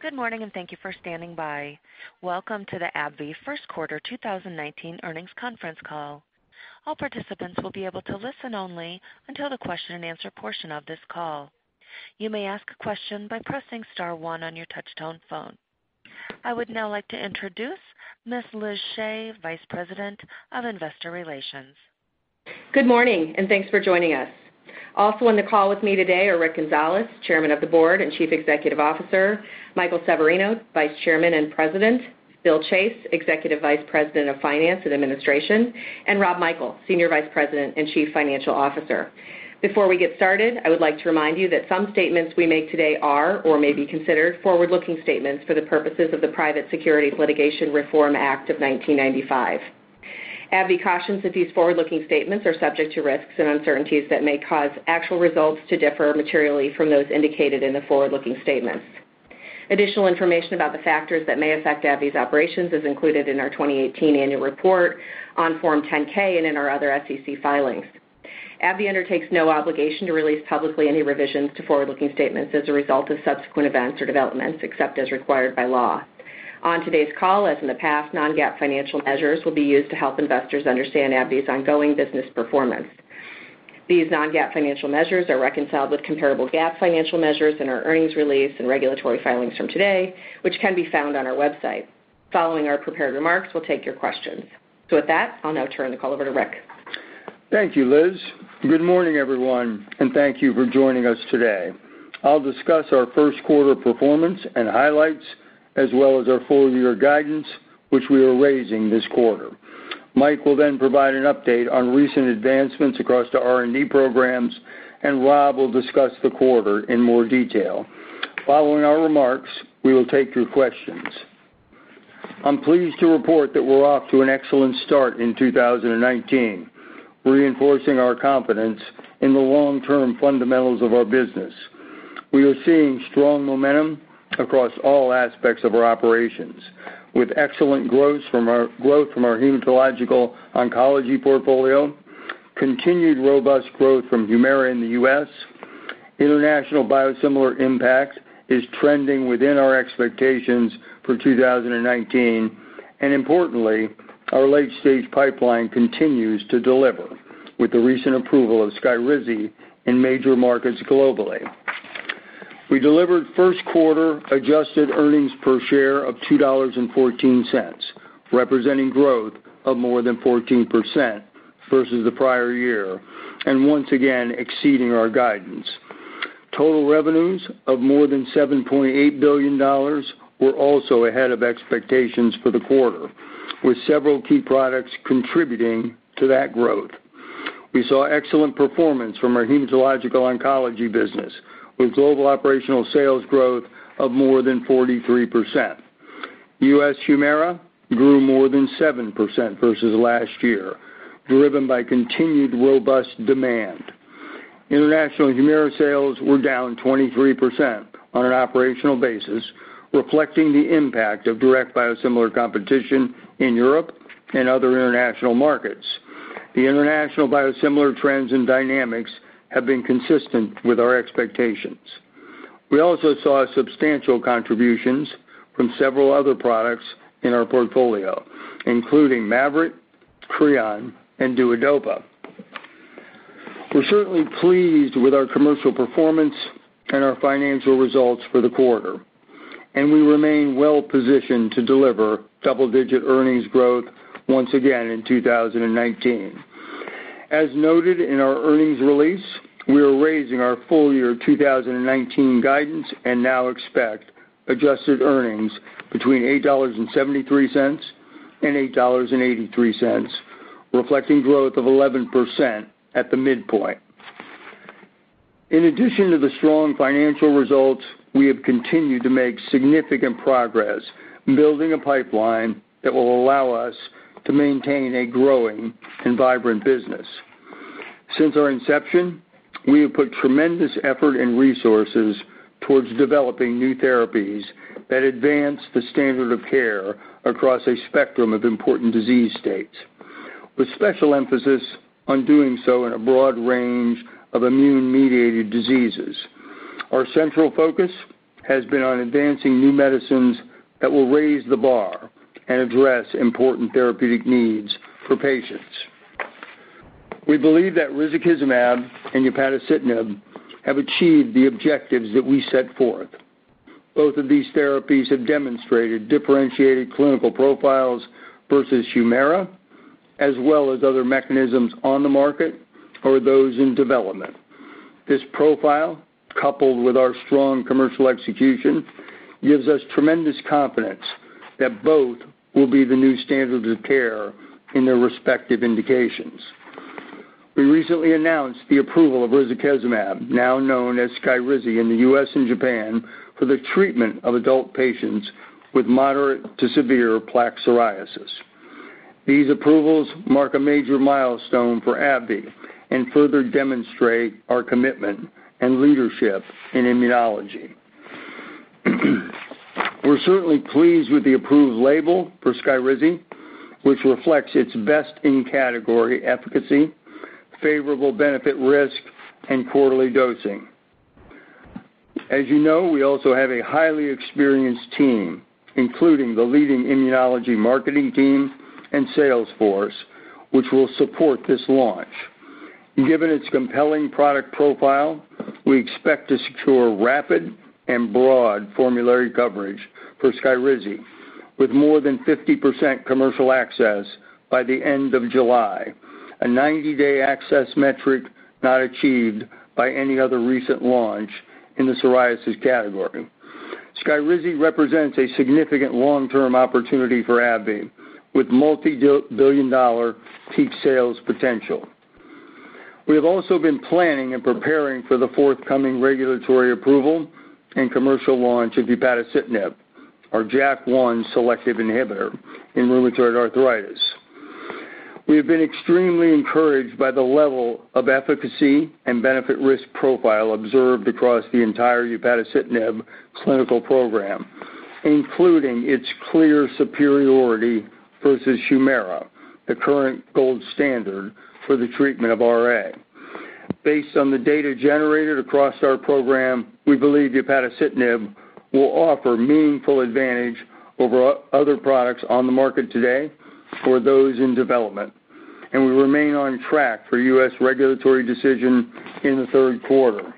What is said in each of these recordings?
Good morning, and thank you for standing by. Welcome to the AbbVie First Quarter 2019 Earnings Conference Call. All participants will be able to listen only until the question and answer portion of this call. You may ask a question by pressing star one on your touch-tone phone. I would now like to introduce Ms. Elizabeth Shea, Vice President of Investor Relations. Good morning, and thanks for joining us. Also on the call with me today are Rick Gonzalez, Chairman of the Board and Chief Executive Officer, Michael Severino, Vice Chairman and President, Bill Chase, Executive Vice President, Finance and Administration, and Rob Michael, Senior Vice President and Chief Financial Officer. Before we get started, I would like to remind you that some statements we make today are or may be considered forward-looking statements for the purposes of the Private Securities Litigation Reform Act of 1995. AbbVie cautions that these forward-looking statements are subject to risks and uncertainties that may cause actual results to differ materially from those indicated in the forward-looking statements. Additional information about the factors that may affect AbbVie's operations is included in our 2018 annual report, on Form 10-K, and in our other SEC filings. AbbVie undertakes no obligation to release publicly any revisions to forward-looking statements as a result of subsequent events or developments, except as required by law. On today's call, as in the past, non-GAAP financial measures will be used to help investors understand AbbVie's ongoing business performance. These non-GAAP financial measures are reconciled with comparable GAAP financial measures in our earnings release and regulatory filings from today, which can be found on our website. Following our prepared remarks, we'll take your questions. With that, I'll now turn the call over to Rick. Thank you, Liz. Good morning, everyone, and thank you for joining us today. I'll discuss our first quarter performance and highlights, as well as our full-year guidance, which we are raising this quarter. Mike will then provide an update on recent advancements across the R&D programs. Rob will discuss the quarter in more detail. Following our remarks, we will take your questions. I'm pleased to report that we're off to an excellent start in 2019, reinforcing our confidence in the long-term fundamentals of our business. We are seeing strong momentum across all aspects of our operations, with excellent growth from our hematological oncology portfolio, continued robust growth from HUMIRA in the U.S., international biosimilar impact is trending within our expectations for 2019, and importantly, our late-stage pipeline continues to deliver with the recent approval of SKYRIZI in major markets globally. We delivered first quarter adjusted earnings per share of $2.14, representing growth of more than 14% versus the prior year, and once again, exceeding our guidance. Total revenues of more than $7.8 billion were also ahead of expectations for the quarter, with several key products contributing to that growth. We saw excellent performance from our hematological oncology business, with global operational sales growth of more than 43%. U.S. HUMIRA grew more than 7% versus last year, driven by continued robust demand. International HUMIRA sales were down 23% on an operational basis, reflecting the impact of direct biosimilar competition in Europe and other international markets. The international biosimilar trends and dynamics have been consistent with our expectations. We also saw substantial contributions from several other products in our portfolio, including MAVYRET, CREON, and DUODOPA. We're certainly pleased with our commercial performance and our financial results for the quarter, and we remain well-positioned to deliver double-digit earnings growth once again in 2019. As noted in our earnings release, we are raising our full-year 2019 guidance and now expect adjusted earnings between $8.73 and $8.83, reflecting growth of 11% at the midpoint. In addition to the strong financial results, we have continued to make significant progress building a pipeline that will allow us to maintain a growing and vibrant business. Since our inception, we have put tremendous effort and resources towards developing new therapies that advance the standard of care across a spectrum of important disease states, with special emphasis on doing so in a broad range of immune-mediated diseases. Our central focus has been on advancing new medicines that will raise the bar and address important therapeutic needs for patients. We believe that risankizumab and upadacitinib have achieved the objectives that we set forth. Both of these therapies have demonstrated differentiated clinical profiles versus HUMIRA, as well as other mechanisms on the market or those in development. This profile, coupled with our strong commercial execution, gives us tremendous confidence that both will be the new standards of care in their respective indications. We recently announced the approval of risankizumab, now known as SKYRIZI, in the U.S. and Japan for the treatment of adult patients with moderate to severe plaque psoriasis. These approvals mark a major milestone for AbbVie and further demonstrate our commitment and leadership in immunology. We're certainly pleased with the approved label for SKYRIZI, which reflects its best-in-category efficacy, favorable benefit risk, and quarterly dosing. As you know, we also have a highly experienced team, including the leading immunology marketing team and sales force, which will support this launch. Given its compelling product profile, we expect to secure rapid and broad formulary coverage for SKYRIZI, with more than 50% commercial access by the end of July, a 90-day access metric not achieved by any other recent launch in the psoriasis category. SKYRIZI represents a significant long-term opportunity for AbbVie, with multi-billion dollar peak sales potential. We have also been planning and preparing for the forthcoming regulatory approval and commercial launch of upadacitinib, our JAK1 selective inhibitor in rheumatoid arthritis. We have been extremely encouraged by the level of efficacy and benefit/risk profile observed across the entire upadacitinib clinical program, including its clear superiority versus HUMIRA, the current gold standard for the treatment of RA. Based on the data generated across our program, we believe upadacitinib will offer meaningful advantage over other products on the market today for those in development, and we remain on track for U.S. regulatory decision in the third quarter.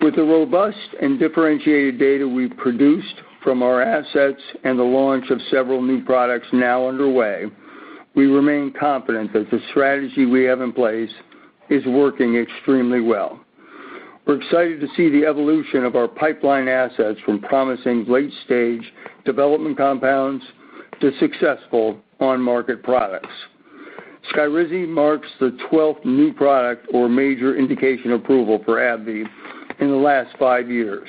With the robust and differentiated data we've produced from our assets and the launch of several new products now underway, we remain confident that the strategy we have in place is working extremely well. We're excited to see the evolution of our pipeline assets from promising late-stage development compounds to successful on-market products. SKYRIZI marks the 12th new product or major indication approval for AbbVie in the last five years,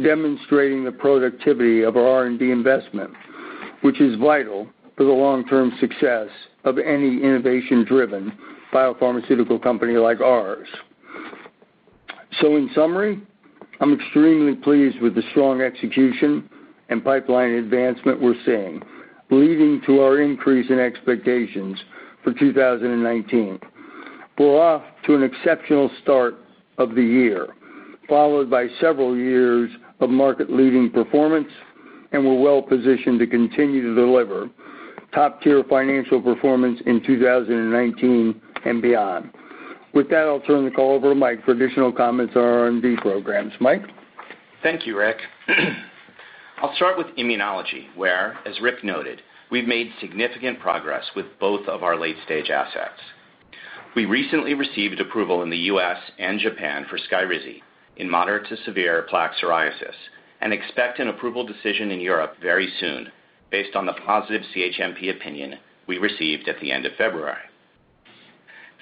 demonstrating the productivity of our R&D investment, which is vital for the long-term success of any innovation-driven biopharmaceutical company like ours. In summary, I'm extremely pleased with the strong execution and pipeline advancement we're seeing, leading to our increase in expectations for 2019. We're off to an exceptional start of the year, followed by several years of market-leading performance, and we're well positioned to continue to deliver top-tier financial performance in 2019 and beyond. With that, I'll turn the call over to Mike for additional comments on R&D programs. Mike? Thank you, Rick. I'll start with immunology, where, as Rick noted, we've made significant progress with both of our late-stage assets. We recently received approval in the U.S. and Japan for SKYRIZI in moderate to severe plaque psoriasis and expect an approval decision in Europe very soon based on the positive CHMP opinion we received at the end of February.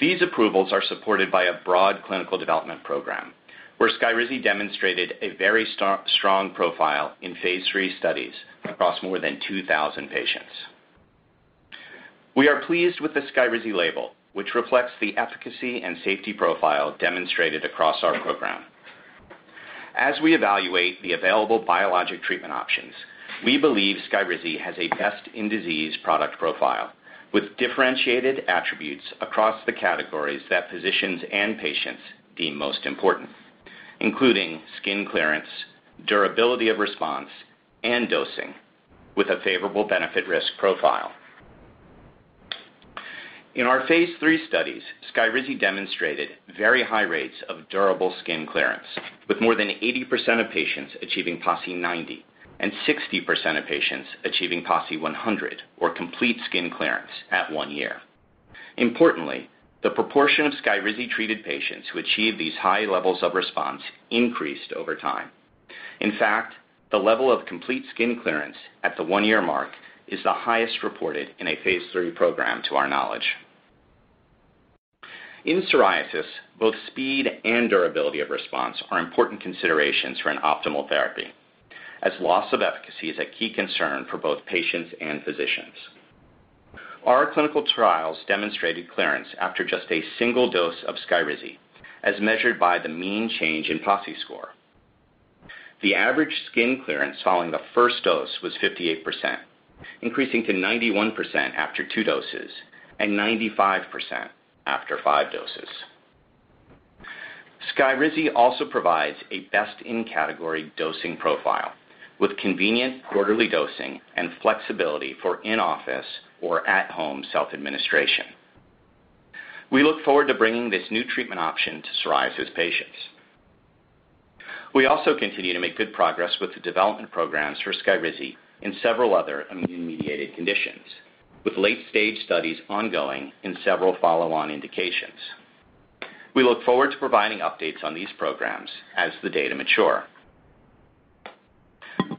These approvals are supported by a broad clinical development program where SKYRIZI demonstrated a very strong profile in phase III studies across more than 2,000 patients. We are pleased with the SKYRIZI label, which reflects the efficacy and safety profile demonstrated across our program. As we evaluate the available biologic treatment options, we believe SKYRIZI has a best-in-disease product profile with differentiated attributes across the categories that physicians and patients deem most important, including skin clearance, durability of response, and dosing, with a favorable benefit/risk profile. In our phase III studies, SKYRIZI demonstrated very high rates of durable skin clearance, with more than 80% of patients achieving PASI 90 and 60% of patients achieving PASI 100 or complete skin clearance at one year. Importantly, the proportion of SKYRIZI-treated patients who achieved these high levels of response increased over time. In fact, the level of complete skin clearance at the one-year mark is the highest reported in a phase III program to our knowledge. In psoriasis, both speed and durability of response are important considerations for an optimal therapy, as loss of efficacy is a key concern for both patients and physicians. Our clinical trials demonstrated clearance after just a single dose of SKYRIZI, as measured by the mean change in PASI score. The average skin clearance following the first dose was 58%, increasing to 91% after two doses and 95% after five doses. SKYRIZI also provides a best-in-category dosing profile with convenient quarterly dosing and flexibility for in-office or at-home self-administration. We look forward to bringing this new treatment option to psoriasis patients. We also continue to make good progress with the development programs for SKYRIZI in several other immune-mediated conditions, with late-stage studies ongoing in several follow-on indications. We look forward to providing updates on these programs as the data mature.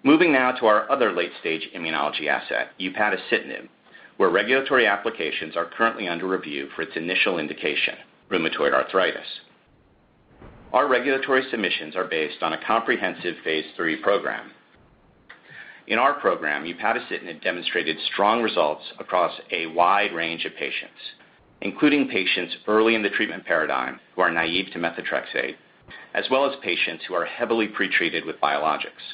Moving now to our other late-stage immunology asset, upadacitinib, where regulatory applications are currently under review for its initial indication, rheumatoid arthritis. Our regulatory submissions are based on a comprehensive phase III program. In our program, upadacitinib demonstrated strong results across a wide range of patients, including patients early in the treatment paradigm who are naive to methotrexate, as well as patients who are heavily pre-treated with biologics.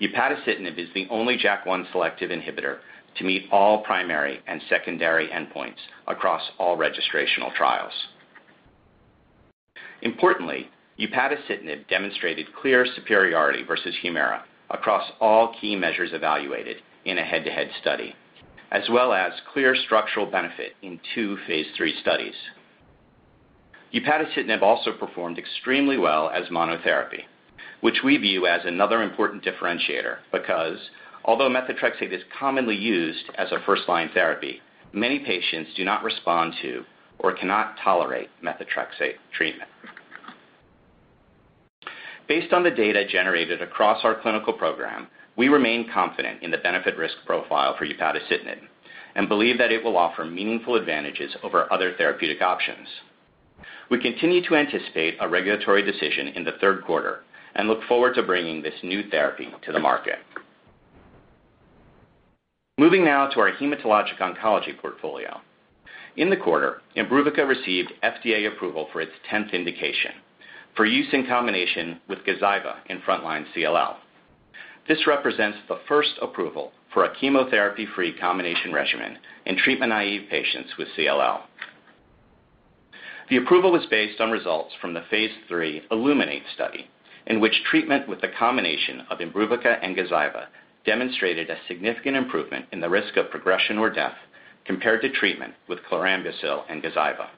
upadacitinib is the only JAK1 selective inhibitor to meet all primary and secondary endpoints across all registrational trials. Importantly, upadacitinib demonstrated clear superiority versus HUMIRA across all key measures evaluated in a head-to-head study, as well as clear structural benefit in two phase III studies. upadacitinib also performed extremely well as monotherapy, which we view as another important differentiator because although methotrexate is commonly used as a first-line therapy, many patients do not respond to or cannot tolerate methotrexate treatment. Based on the data generated across our clinical program, we remain confident in the benefit-risk profile for upadacitinib and believe that it will offer meaningful advantages over other therapeutic options. We continue to anticipate a regulatory decision in the third quarter and look forward to bringing this new therapy to the market. Moving now to our hematologic oncology portfolio. In the quarter, IMBRUVICA received FDA approval for its 10th indication for use in combination with GAZYVA in frontline CLL. This represents the first approval for a chemotherapy-free combination regimen in treatment-naive patients with CLL. The approval was based on results from the phase III iLLUMINATE study, in which treatment with a combination of IMBRUVICA and GAZYVA demonstrated a significant improvement in the risk of progression or death compared to treatment with chlorambucil and GAZYVA.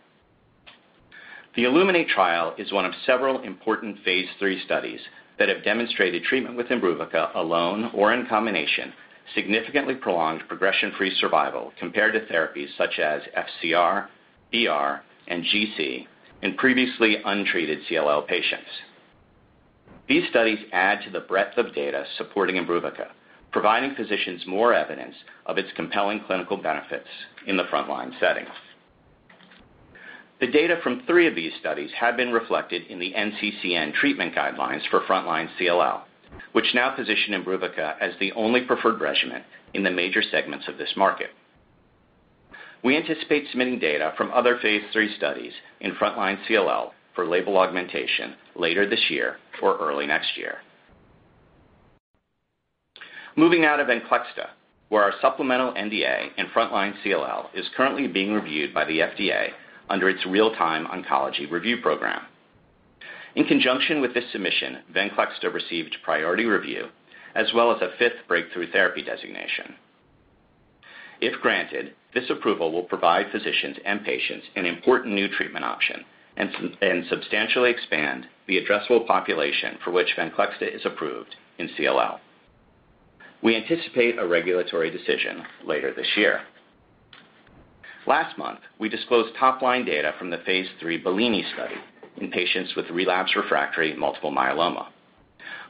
The iLLUMINATE trial is one of several important phase III studies that have demonstrated treatment with IMBRUVICA, alone or in combination, significantly prolonged progression-free survival compared to therapies such as FCR, BR, and GC in previously untreated CLL patients. These studies add to the breadth of data supporting IMBRUVICA, providing physicians more evidence of its compelling clinical benefits in the frontline setting. The data from three of these studies have been reflected in the NCCN treatment guidelines for frontline CLL, which now position IMBRUVICA as the only preferred regimen in the major segments of this market. We anticipate submitting data from other phase III studies in frontline CLL for label augmentation later this year or early next year. Moving now to VENCLEXTA, where our supplemental NDA in frontline CLL is currently being reviewed by the FDA under its Real-Time Oncology Review Program. In conjunction with this submission, VENCLEXTA received priority review as well as a fifth breakthrough therapy designation. If granted, this approval will provide physicians and patients an important new treatment option and substantially expand the addressable population for which VENCLEXTA is approved in CLL. We anticipate a regulatory decision later this year. Last month, we disclosed top-line data from the phase III BELLINI study in patients with relapsed/refractory multiple myeloma.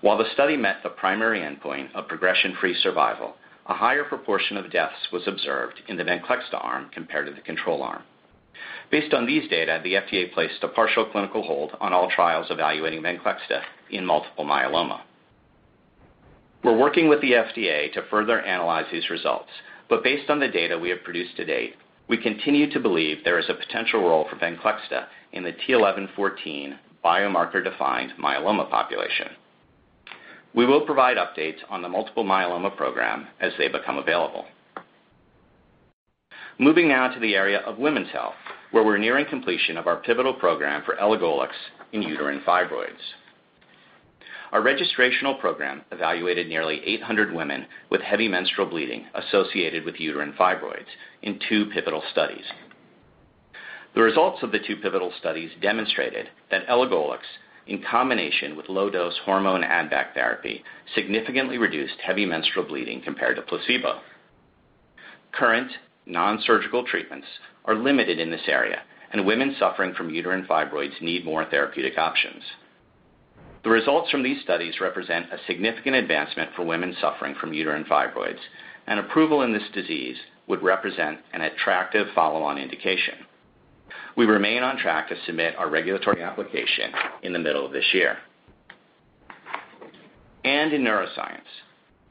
While the study met the primary endpoint of progression-free survival, a higher proportion of deaths was observed in the VENCLEXTA arm compared to the control arm. Based on these data, the FDA placed a partial clinical hold on all trials evaluating VENCLEXTA in multiple myeloma. We're working with the FDA to further analyze these results, but based on the data we have produced to date, we continue to believe there is a potential role for VENCLEXTA in the t(11;14) biomarker-defined myeloma population. We will provide updates on the multiple myeloma program as they become available. Moving now to the area of women's health, where we're nearing completion of our pivotal program for elagolix in uterine fibroids. Our registrational program evaluated nearly 800 women with heavy menstrual bleeding associated with uterine fibroids in two pivotal studies. The results of the two pivotal studies demonstrated that elagolix, in combination with low-dose hormone add-back therapy, significantly reduced heavy menstrual bleeding compared to placebo. Current non-surgical treatments are limited in this area, and women suffering from uterine fibroids need more therapeutic options. The results from these studies represent a significant advancement for women suffering from uterine fibroids, and approval in this disease would represent an attractive follow-on indication. We remain on track to submit our regulatory application in the middle of this year. In neuroscience,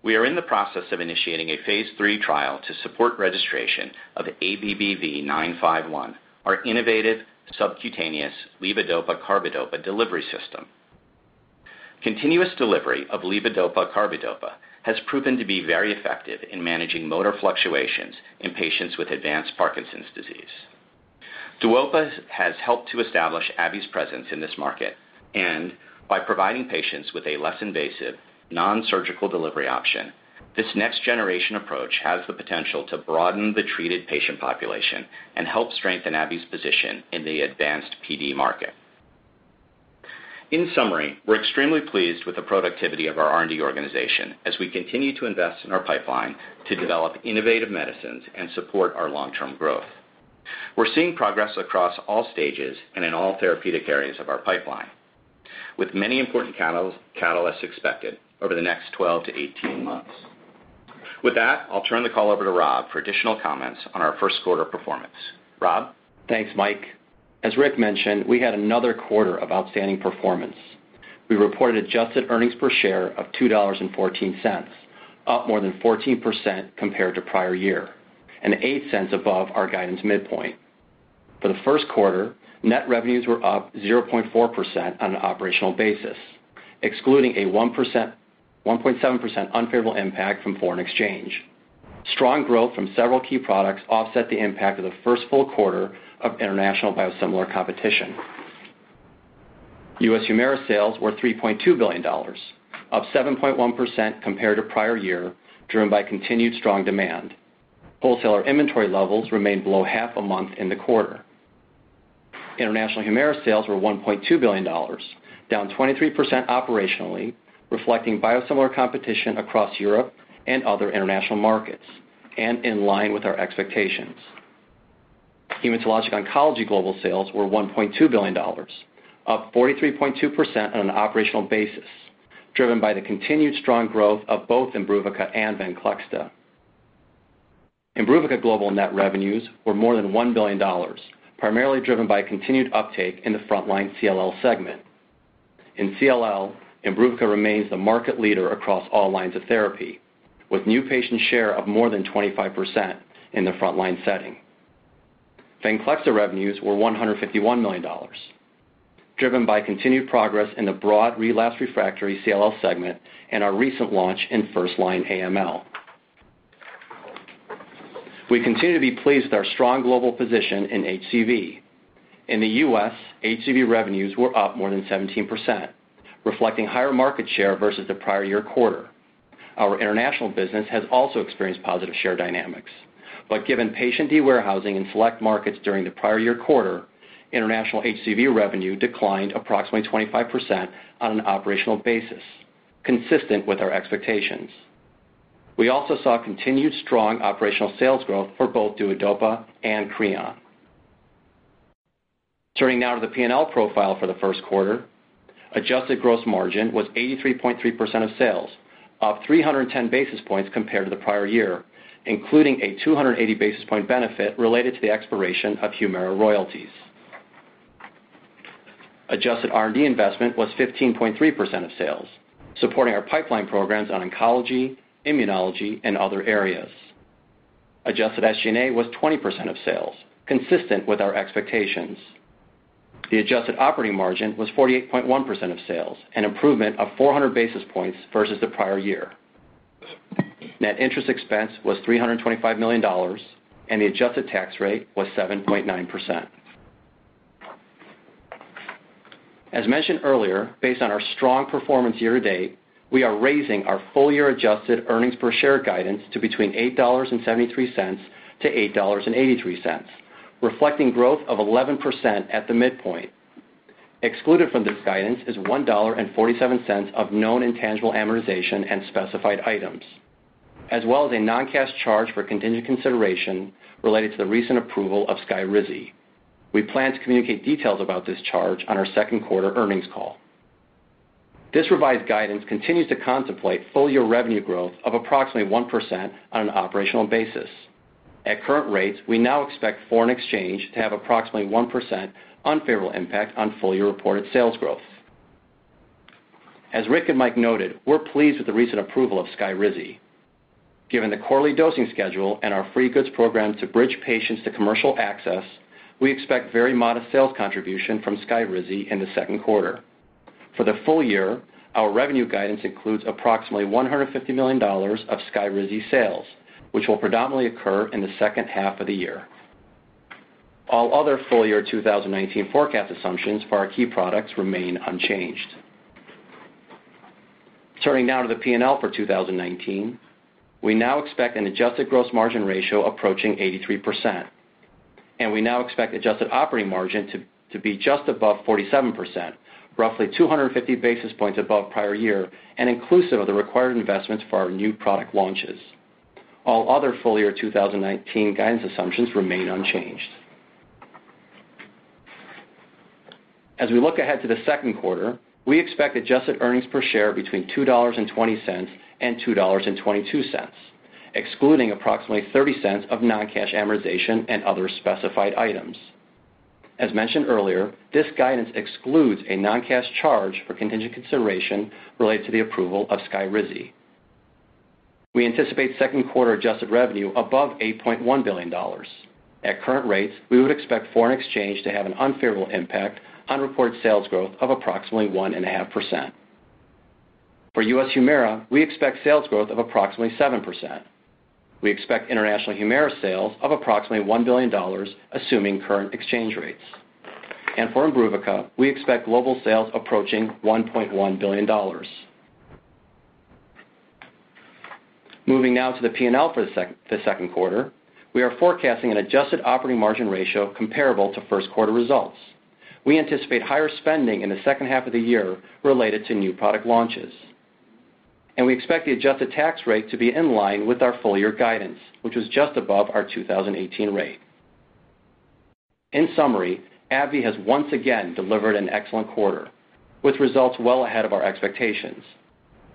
we are in the process of initiating a phase III trial to support registration of ABBV-951, our innovative subcutaneous levodopa/carbidopa delivery system. Continuous delivery of levodopa/carbidopa has proven to be very effective in managing motor fluctuations in patients with advanced Parkinson's disease. DUOPA has helped to establish AbbVie's presence in this market, and by providing patients with a less invasive, non-surgical delivery option, this next-generation approach has the potential to broaden the treated patient population and help strengthen AbbVie's position in the advanced PD market. In summary, we're extremely pleased with the productivity of our R&D organization as we continue to invest in our pipeline to develop innovative medicines and support our long-term growth. We're seeing progress across all stages and in all therapeutic areas of our pipeline, with many important catalysts expected over the next 12-18 months. With that, I'll turn the call over to Rob for additional comments on our first quarter performance. Rob? Thanks, Mike. As Rick mentioned, we had another quarter of outstanding performance. We reported adjusted earnings per share of $2.14, up more than 14% compared to prior year, and $0.08 above our guidance midpoint. For the first quarter, net revenues were up 0.4% on an operational basis, excluding a 1.7% unfavorable impact from foreign exchange. Strong growth from several key products offset the impact of the first full quarter of international biosimilar competition. U.S. HUMIRA sales were $3.2 billion, up 7.1% compared to prior year, driven by continued strong demand. Wholesaler inventory levels remained below half a month in the quarter. International HUMIRA sales were $1.2 billion, down 23% operationally, reflecting biosimilar competition across Europe and other international markets, and in line with our expectations. Hematologic oncology global sales were $1.2 billion, up 43.2% on an operational basis, driven by the continued strong growth of both IMBRUVICA and VENCLEXTA. IMBRUVICA global net revenues were more than $1 billion, primarily driven by continued uptake in the frontline CLL segment. In CLL, IMBRUVICA remains the market leader across all lines of therapy, with new patient share of more than 25% in the frontline setting. VENCLEXTA revenues were $151 million, driven by continued progress in the broad relapsed/refractory CLL segment and our recent launch in first-line AML. We continue to be pleased with our strong global position in HCV. In the U.S., HCV revenues were up more than 17%, reflecting higher market share versus the prior-year quarter. Our international business has also experienced positive share dynamics, but given patient de-warehousing in select markets during the prior-year quarter, international HCV revenue declined approximately 25% on an operational basis, consistent with our expectations. We also saw continued strong operational sales growth for both DUODOPA and CREON. Turning now to the P&L profile for the first quarter, adjusted gross margin was 83.3% of sales, up 310 basis points compared to the prior year, including a 280 basis point benefit related to the expiration of HUMIRA royalties. Adjusted R&D investment was 15.3% of sales, supporting our pipeline programs on oncology, immunology, and other areas. Adjusted SG&A was 20% of sales, consistent with our expectations. The adjusted operating margin was 48.1% of sales, an improvement of 400 basis points versus the prior year. Net interest expense was $325 million, and the adjusted tax rate was 7.9%. As mentioned earlier, based on our strong performance year to date, we are raising our full-year adjusted earnings per share guidance to between $8.73-$8.83, reflecting growth of 11% at the midpoint. Excluded from this guidance is $1.47 of known intangible amortization and specified items, as well as a non-cash charge for contingent consideration related to the recent approval of SKYRIZI. We plan to communicate details about this charge on our second quarter earnings call. This revised guidance continues to contemplate full-year revenue growth of approximately 1% on an operational basis. At current rates, we now expect foreign exchange to have approximately 1% unfavorable impact on full-year reported sales growth. As Rick and Mike noted, we're pleased with the recent approval of SKYRIZI. Given the quarterly dosing schedule and our free goods program to bridge patients to commercial access, we expect very modest sales contribution from SKYRIZI in the second quarter. For the full year, our revenue guidance includes approximately $150 million of SKYRIZI sales, which will predominantly occur in the second half of the year. All other full-year 2019 forecast assumptions for our key products remain unchanged. Turning now to the P&L for 2019. We now expect an adjusted gross margin ratio approaching 83%, and we now expect adjusted operating margin to be just above 47%, roughly 250 basis points above prior year, and inclusive of the required investments for our new product launches. All other full-year 2019 guidance assumptions remain unchanged. As we look ahead to the second quarter, we expect adjusted earnings per share between $2.20-$2.22, excluding approximately $0.30 of non-cash amortization and other specified items. As mentioned earlier, this guidance excludes a non-cash charge for contingent consideration related to the approval of SKYRIZI. We anticipate second quarter adjusted revenue above $8.1 billion. At current rates, we would expect foreign exchange to have an unfavorable impact on reported sales growth of approximately 1.5%. For U.S. HUMIRA, we expect sales growth of approximately 7%. We expect international HUMIRA sales of approximately $1 billion assuming current exchange rates. For IMBRUVICA, we expect global sales approaching $1.1 billion. Moving now to the P&L for the second quarter, we are forecasting an adjusted operating margin ratio comparable to first quarter results. We anticipate higher spending in the second half of the year related to new product launches. We expect the adjusted tax rate to be in line with our full-year guidance, which is just above our 2018 rate. In summary, AbbVie has once again delivered an excellent quarter with results well ahead of our expectations.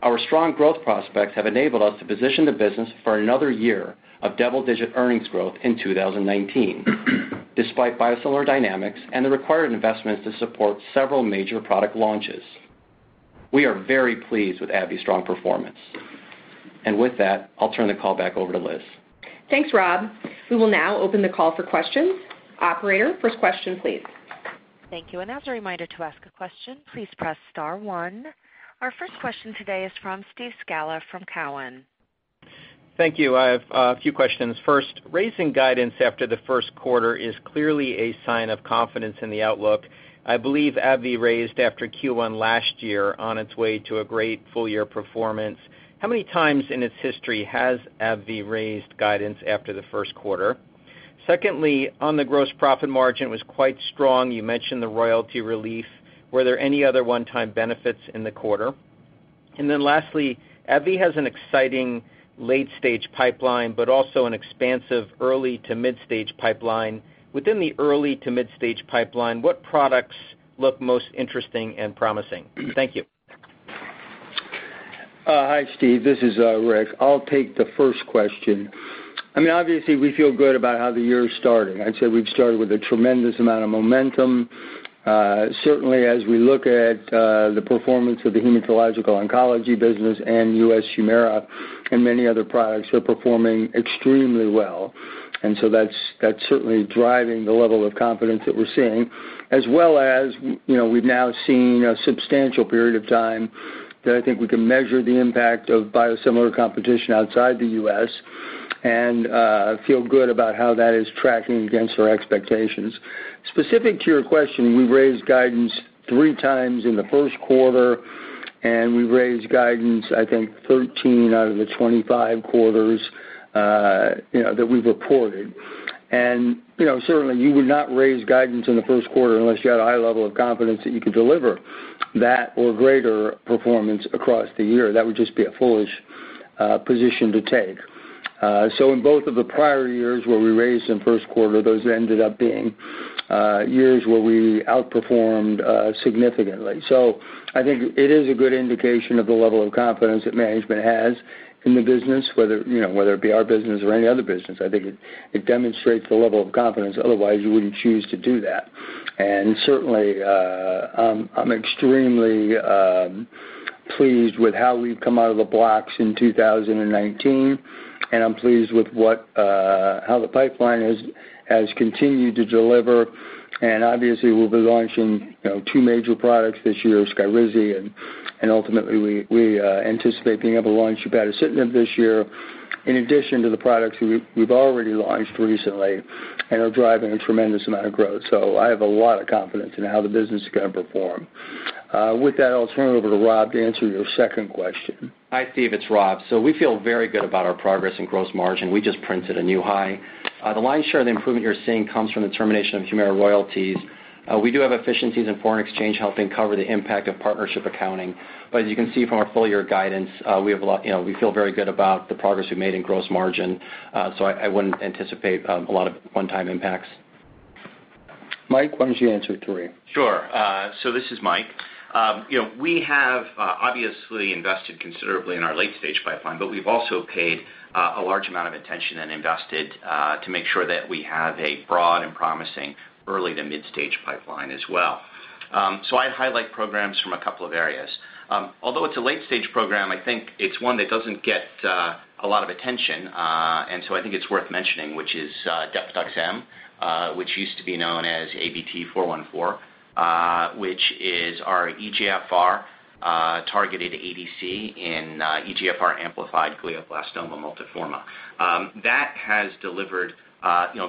Our strong growth prospects have enabled us to position the business for another year of double-digit earnings growth in 2019, despite biosimilar dynamics and the required investments to support several major product launches. We are very pleased with AbbVie's strong performance. With that, I'll turn the call back over to Liz. Thanks, Rob. We will now open the call for questions. Operator, first question, please. Thank you. As a reminder, to ask a question, please press *1. Our first question today is from Steve Scala from Cowen. Thank you. I have a few questions. First, raising guidance after the first quarter is clearly a sign of confidence in the outlook. I believe AbbVie raised after Q1 last year on its way to a great full-year performance. How many times in its history has AbbVie raised guidance after the first quarter? Secondly, the gross profit margin was quite strong. You mentioned the royalty relief. Were there any other one-time benefits in the quarter? Lastly, AbbVie has an exciting late-stage pipeline, but also an expansive early to mid-stage pipeline. Within the early to mid-stage pipeline, what products look most interesting and promising? Thank you. Hi, Steve. This is Rick. I'll take the first question. Obviously, we feel good about how the year's starting. I'd say we've started with a tremendous amount of momentum. Certainly, as we look at the performance of the hematological oncology business and U.S. HUMIRA, many other products are performing extremely well. That's certainly driving the level of confidence that we're seeing, as well as we've now seen a substantial period of time that I think we can measure the impact of biosimilar competition outside the U.S., and feel good about how that is tracking against our expectations. Specific to your question, we've raised guidance three times in the first quarter. We've raised guidance, I think 13 out of the 25 quarters that we've reported. Certainly, you would not raise guidance in the first quarter unless you had a high level of confidence that you could deliver that or greater performance across the year. That would just be a foolish position to take. In both of the prior years where we raised in first quarter, those ended up being years where we outperformed significantly. I think it is a good indication of the level of confidence that management has in the business, whether it be our business or any other business. I think it demonstrates the level of confidence, otherwise you wouldn't choose to do that. Certainly, I'm extremely pleased with how we've come out of the blocks in 2019. I'm pleased with how the pipeline has continued to deliver. Obviously, we'll be launching two major products this year, SKYRIZI, and ultimately, we anticipate being able to launch upadacitinib this year, in addition to the products we've already launched recently and are driving a tremendous amount of growth. I have a lot of confidence in how the business is going to perform. With that, I'll turn it over to Rob to answer your second question. Hi, Steve. It's Rob. We feel very good about our progress in gross margin. We just printed a new high. The lion's share of the improvement you're seeing comes from the termination of HUMIRA royalties. We do have efficiencies in foreign exchange helping cover the impact of partnership accounting. As you can see from our full-year guidance, we feel very good about the progress we've made in gross margin. I wouldn't anticipate a lot of one-time impacts. Mike, why don't you answer three? Sure. This is Mike. We have obviously invested considerably in our late-stage pipeline, but we've also paid a large amount of attention and invested to make sure that we have a broad and promising early to mid-stage pipeline as well. I'd highlight programs from a couple of areas. Although it's a late-stage program, I think it's one that doesn't get a lot of attention, I think it's worth mentioning, which is Depatux-M which used to be known as ABT-414 which is our EGFR-targeted ADC in EGFR-amplified glioblastoma multiforme. That has delivered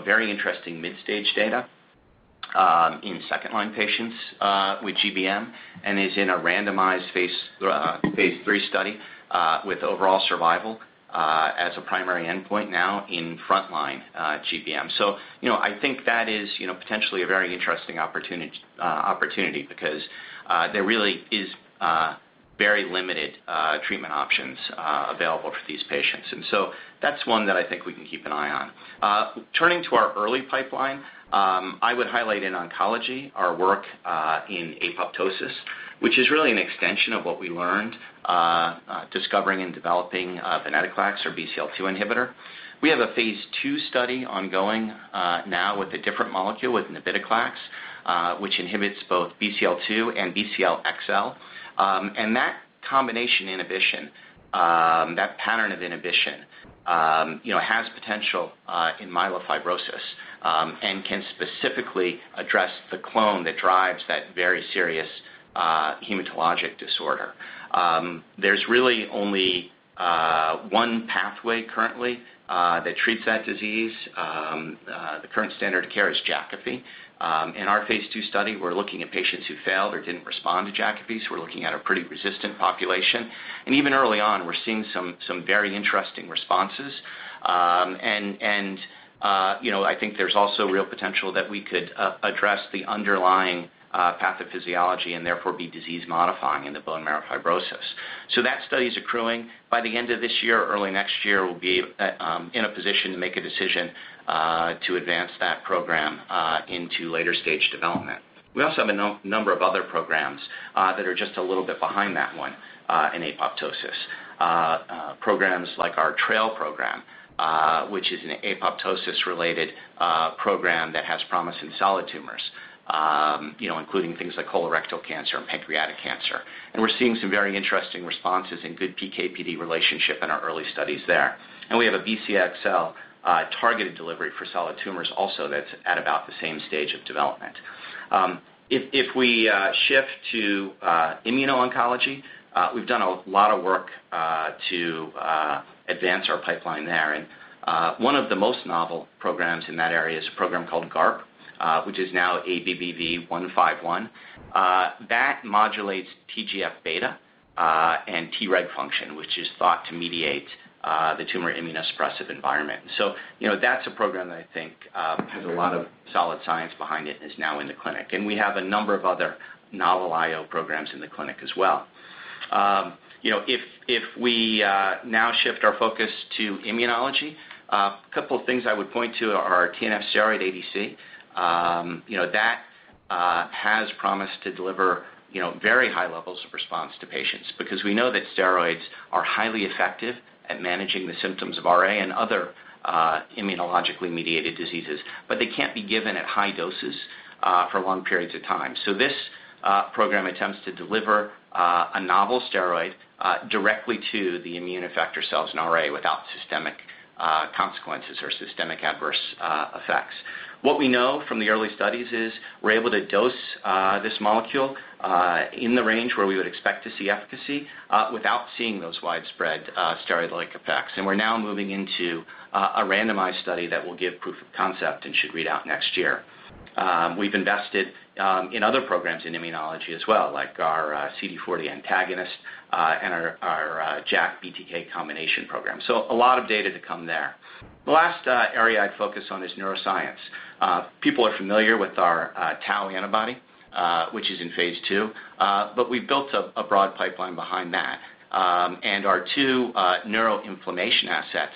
very interesting mid-stage data in second-line patients with GBM, and is in a randomized phase III study with overall survival as a primary endpoint now in frontline GBM. I think that is potentially a very interesting opportunity, because there really is very limited treatment options available for these patients. That's one that I think we can keep an eye on. Turning to our early pipeline, I would highlight in oncology our work in apoptosis, which is really an extension of what we learned discovering and developing venetoclax or BCL-2 inhibitor. We have a phase II study ongoing now with a different molecule with navitoclax which inhibits both BCL-2 and BCL-XL. That combination inhibition, that pattern of inhibition has potential in myelofibrosis, and can specifically address the clone that drives that very serious hematologic disorder. There's really only one pathway currently that treats that disease. The current standard of care is Jakafi. In our phase II study, we're looking at patients who failed or didn't respond to Jakafi, so we're looking at a pretty resistant population. Even early on, we're seeing some very interesting responses. I think there's also real potential that we could address the underlying pathophysiology and therefore be disease-modifying in the bone marrow fibrosis. That study is accruing. By the end of this year or early next year, we'll be in a position to make a decision to advance that program into later stage development. We also have a number of other programs that are just a little bit behind that one in apoptosis. Programs like our TRAIL program, which is an apoptosis-related program that has promise in solid tumors, including things like colorectal cancer and pancreatic cancer. We're seeing some very interesting responses and good PK/PD relationship in our early studies there. We have a BCL-XL targeted delivery for solid tumors also that's at about the same stage of development. If we shift to immuno-oncology, we've done a lot of work to advance our pipeline there. One of the most novel programs in that area is a program called GARP, which is now ABBV-151. That modulates TGF-β and Treg function, which is thought to mediate the tumor immunosuppressive environment. That's a program that I think has a lot of solid science behind it and is now in the clinic. We have a number of other novel IO programs in the clinic as well. If we now shift our focus to immunology, a couple of things I would point to are our ADC. That has promise to deliver very high levels of response to patients, because we know that steroids are highly effective at managing the symptoms of RA and other immunologically mediated diseases. They can't be given at high doses for long periods of time. This program attempts to deliver a novel steroid directly to the immune effector cells in RA without systemic consequences or systemic adverse effects. What we know from the early studies is we're able to dose this molecule in the range where we would expect to see efficacy without seeing those widespread steroidal effects. We're now moving into a randomized study that will give proof of concept and should read out next year. We've invested in other programs in immunology as well, like our CD40 antagonist and our JAK/BTK combination program. A lot of data to come there. The last area I'd focus on is neuroscience. People are familiar with our tau antibody, which is in phase II, we've built a broad pipeline behind that. Our two neuroinflammation assets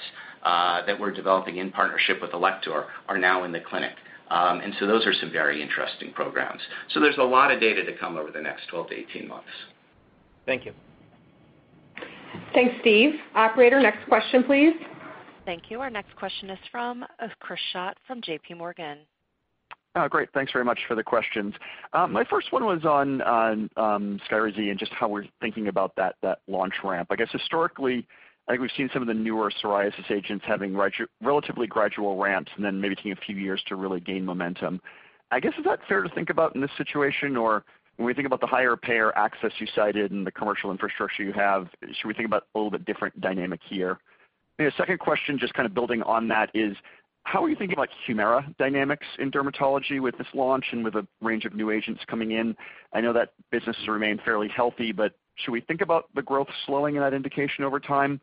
that we're developing in partnership with Alector are now in the clinic. Those are some very interesting programs. There's a lot of data to come over the next 12-18 months. Thank you. Thanks, Steve. Operator, next question, please. Thank you. Our next question is from Chris Schott from J.P. Morgan. Great. Thanks very much for the questions. My first one was on SKYRIZI and just how we're thinking about that launch ramp. I guess historically, I think we've seen some of the newer psoriasis agents having relatively gradual ramps and then maybe taking a few years to really gain momentum. I guess, is that fair to think about in this situation? Or when we think about the higher payer access you cited and the commercial infrastructure you have, should we think about a little bit different dynamic here? Second question, just kind of building on that, is how are you thinking about HUMIRA dynamics in dermatology with this launch and with a range of new agents coming in? I know that business has remained fairly healthy, but should we think about the growth slowing in that indication over time?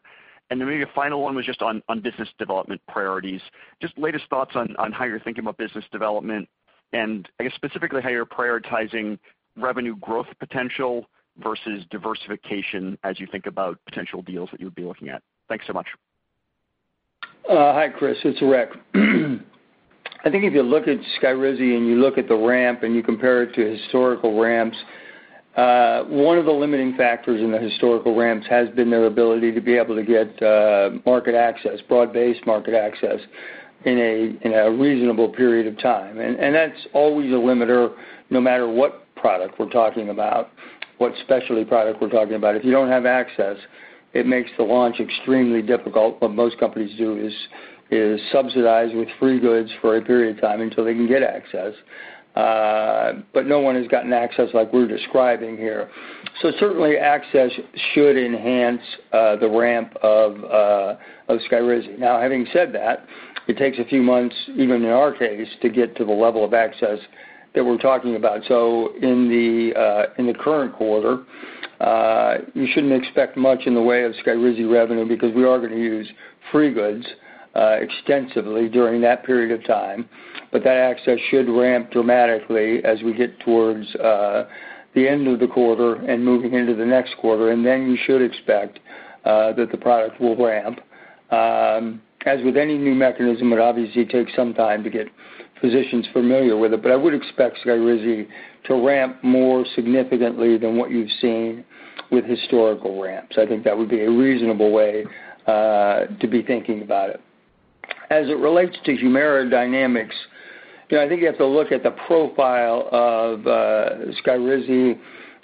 maybe a final one was just on business development priorities. Just latest thoughts on how you're thinking about business development, and I guess specifically how you're prioritizing revenue growth potential versus diversification as you think about potential deals that you would be looking at. Thanks so much. Hi, Chris. It's Rick. I think if you look at SKYRIZI and you look at the ramp and you compare it to historical ramps, one of the limiting factors in the historical ramps has been their ability to be able to get market access, broad-based market access, in a reasonable period of time. That's always a limiter no matter what product we're talking about, what specialty product we're talking about. If you don't have access, it makes the launch extremely difficult. What most companies do is subsidize with free goods for a period of time until they can get access. No one has gotten access like we're describing here. Certainly, access should enhance the ramp of SKYRIZI. Having said that, it takes a few months, even in our case, to get to the level of access that we're talking about. In the current quarter, you shouldn't expect much in the way of SKYRIZI revenue because we are going to use free goods extensively during that period of time. That access should ramp dramatically as we get towards the end of the quarter and moving into the next quarter, you should expect that the product will ramp. As with any new mechanism, it obviously takes some time to get physicians familiar with it. I would expect SKYRIZI to ramp more significantly than what you've seen with historical ramps. I think that would be a reasonable way to be thinking about it. As it relates to HUMIRA dynamics, I think you have to look at the profile of SKYRIZI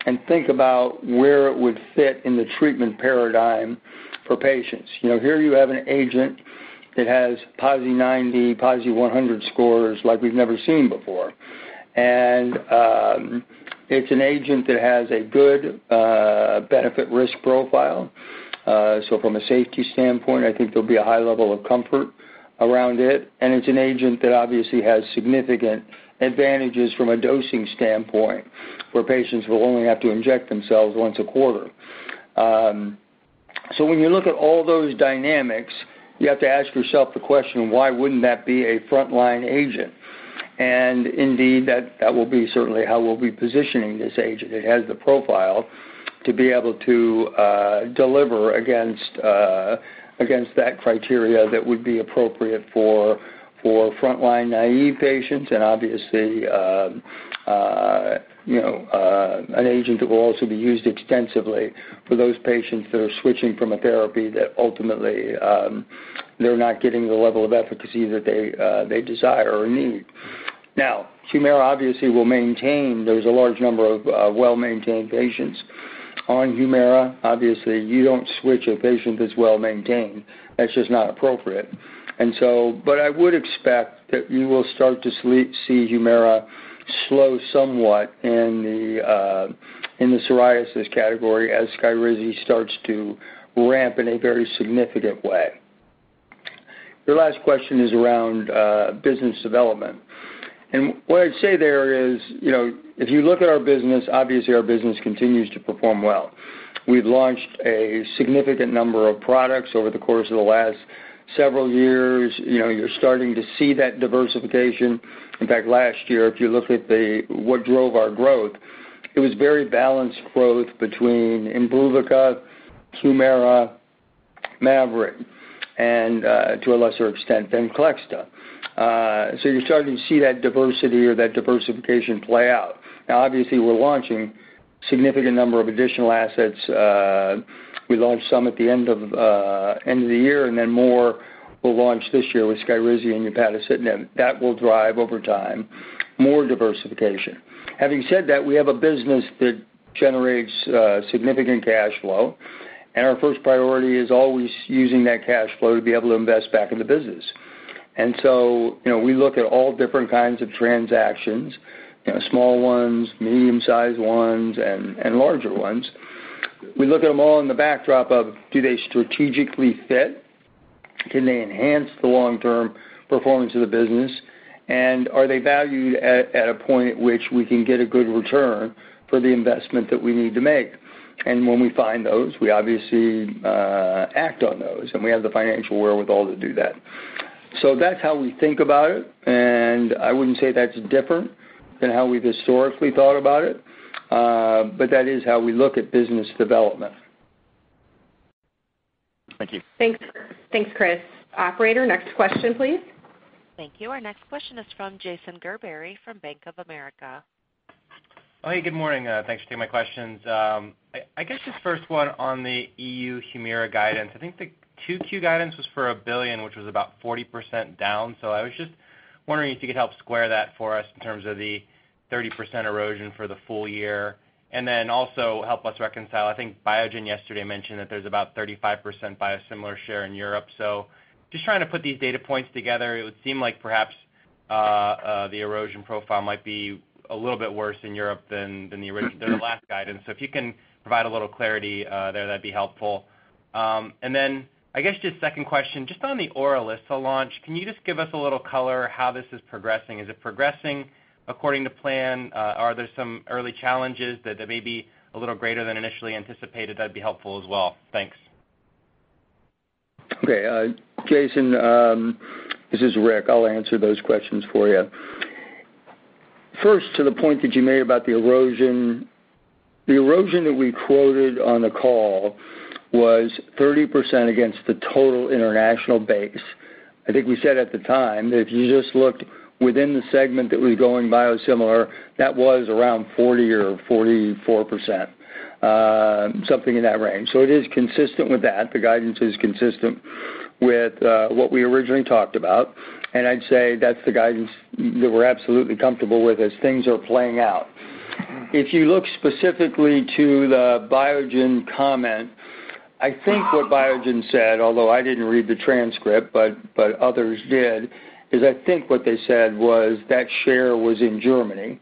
and think about where it would fit in the treatment paradigm for patients. Here you have an agent that has PASI 90, PASI 100 scores like we've never seen before, it's an agent that has a good benefit risk profile. From a safety standpoint, I think there'll be a high level of comfort around it's an agent that obviously has significant advantages from a dosing standpoint, where patients will only have to inject themselves once a quarter. When you look at all those dynamics, you have to ask yourself the question, why wouldn't that be a frontline agent? Indeed, that will be certainly how we'll be positioning this agent. It has the profile to be able to deliver against that criteria that would be appropriate for frontline naive patients, an agent will also be used extensively for those patients that are switching from a therapy that ultimately they're not getting the level of efficacy that they desire or need. HUMIRA obviously will maintain. There's a large number of well-maintained patients on HUMIRA. Obviously, you don't switch a patient that's well-maintained. That's just not appropriate. I would expect that you will start to see HUMIRA slow somewhat in the psoriasis category as SKYRIZI starts to ramp in a very significant way. Your last question is around business development. What I'd say there is, if you look at our business, obviously our business continues to perform well. We've launched a significant number of products over the course of the last several years. You're starting to see that diversification. In fact, last year, if you look at what drove our growth, it was very balanced growth between IMBRUVICA, HUMIRA, MAVYRET, and to a lesser extent, VENCLEXTA. You're starting to see that diversity or that diversification play out. Obviously, we're launching significant number of additional assets. We launched some at the end of the year, more will launch this year with SKYRIZI and upadacitinib. That will drive over time, more diversification. Having said that, we have a business that generates significant cash flow, our first priority is always using that cash flow to be able to invest back in the business. We look at all different kinds of transactions, small ones, medium-sized ones, and larger ones. We look at them all in the backdrop of, do they strategically fit? Can they enhance the long-term performance of the business? Are they valued at a point at which we can get a good return for the investment that we need to make? When we find those, we obviously act on those, we have the financial wherewithal to do that. That's how we think about it, I wouldn't say that's different than how we've historically thought about it, that is how we look at business development. Thank you. Thanks, Chris. Operator, next question, please. Thank you. Our next question is from Jason Gerberry from Bank of America. Hey, good morning. Thanks for taking my questions. First one on the EU HUMIRA guidance. I think the 2Q guidance was for $1 billion, which was about 40% down. I was wondering if you could help square that for us in terms of the 30% erosion for the full year. Also help us reconcile, I think Biogen yesterday mentioned that there's about 35% biosimilar share in Europe. Just trying to put these data points together, it would seem like perhaps the erosion profile might be a little bit worse in Europe than their last guidance. If you can provide a little clarity there, that'd be helpful. Second question, just on the ORILISSA launch, can you just give us a little color how this is progressing? Is it progressing according to plan? Are there some early challenges that may be a little greater than initially anticipated? That'd be helpful as well. Thanks. Okay. Jason, this is Rick. I'll answer those questions for you. First, to the point that you made about the erosion, the erosion that we quoted on the call was 30% against the total international base. I think we said at the time that if you just looked within the segment that was going biosimilar, that was around 40% or 44%, something in that range. It is consistent with that. The guidance is consistent with what we originally talked about, and I'd say that's the guidance that we're absolutely comfortable with as things are playing out. If you look specifically to the Biogen comment, I think what Biogen said, although I didn't read the transcript, but others did, is I think what they said was that share was in Germany.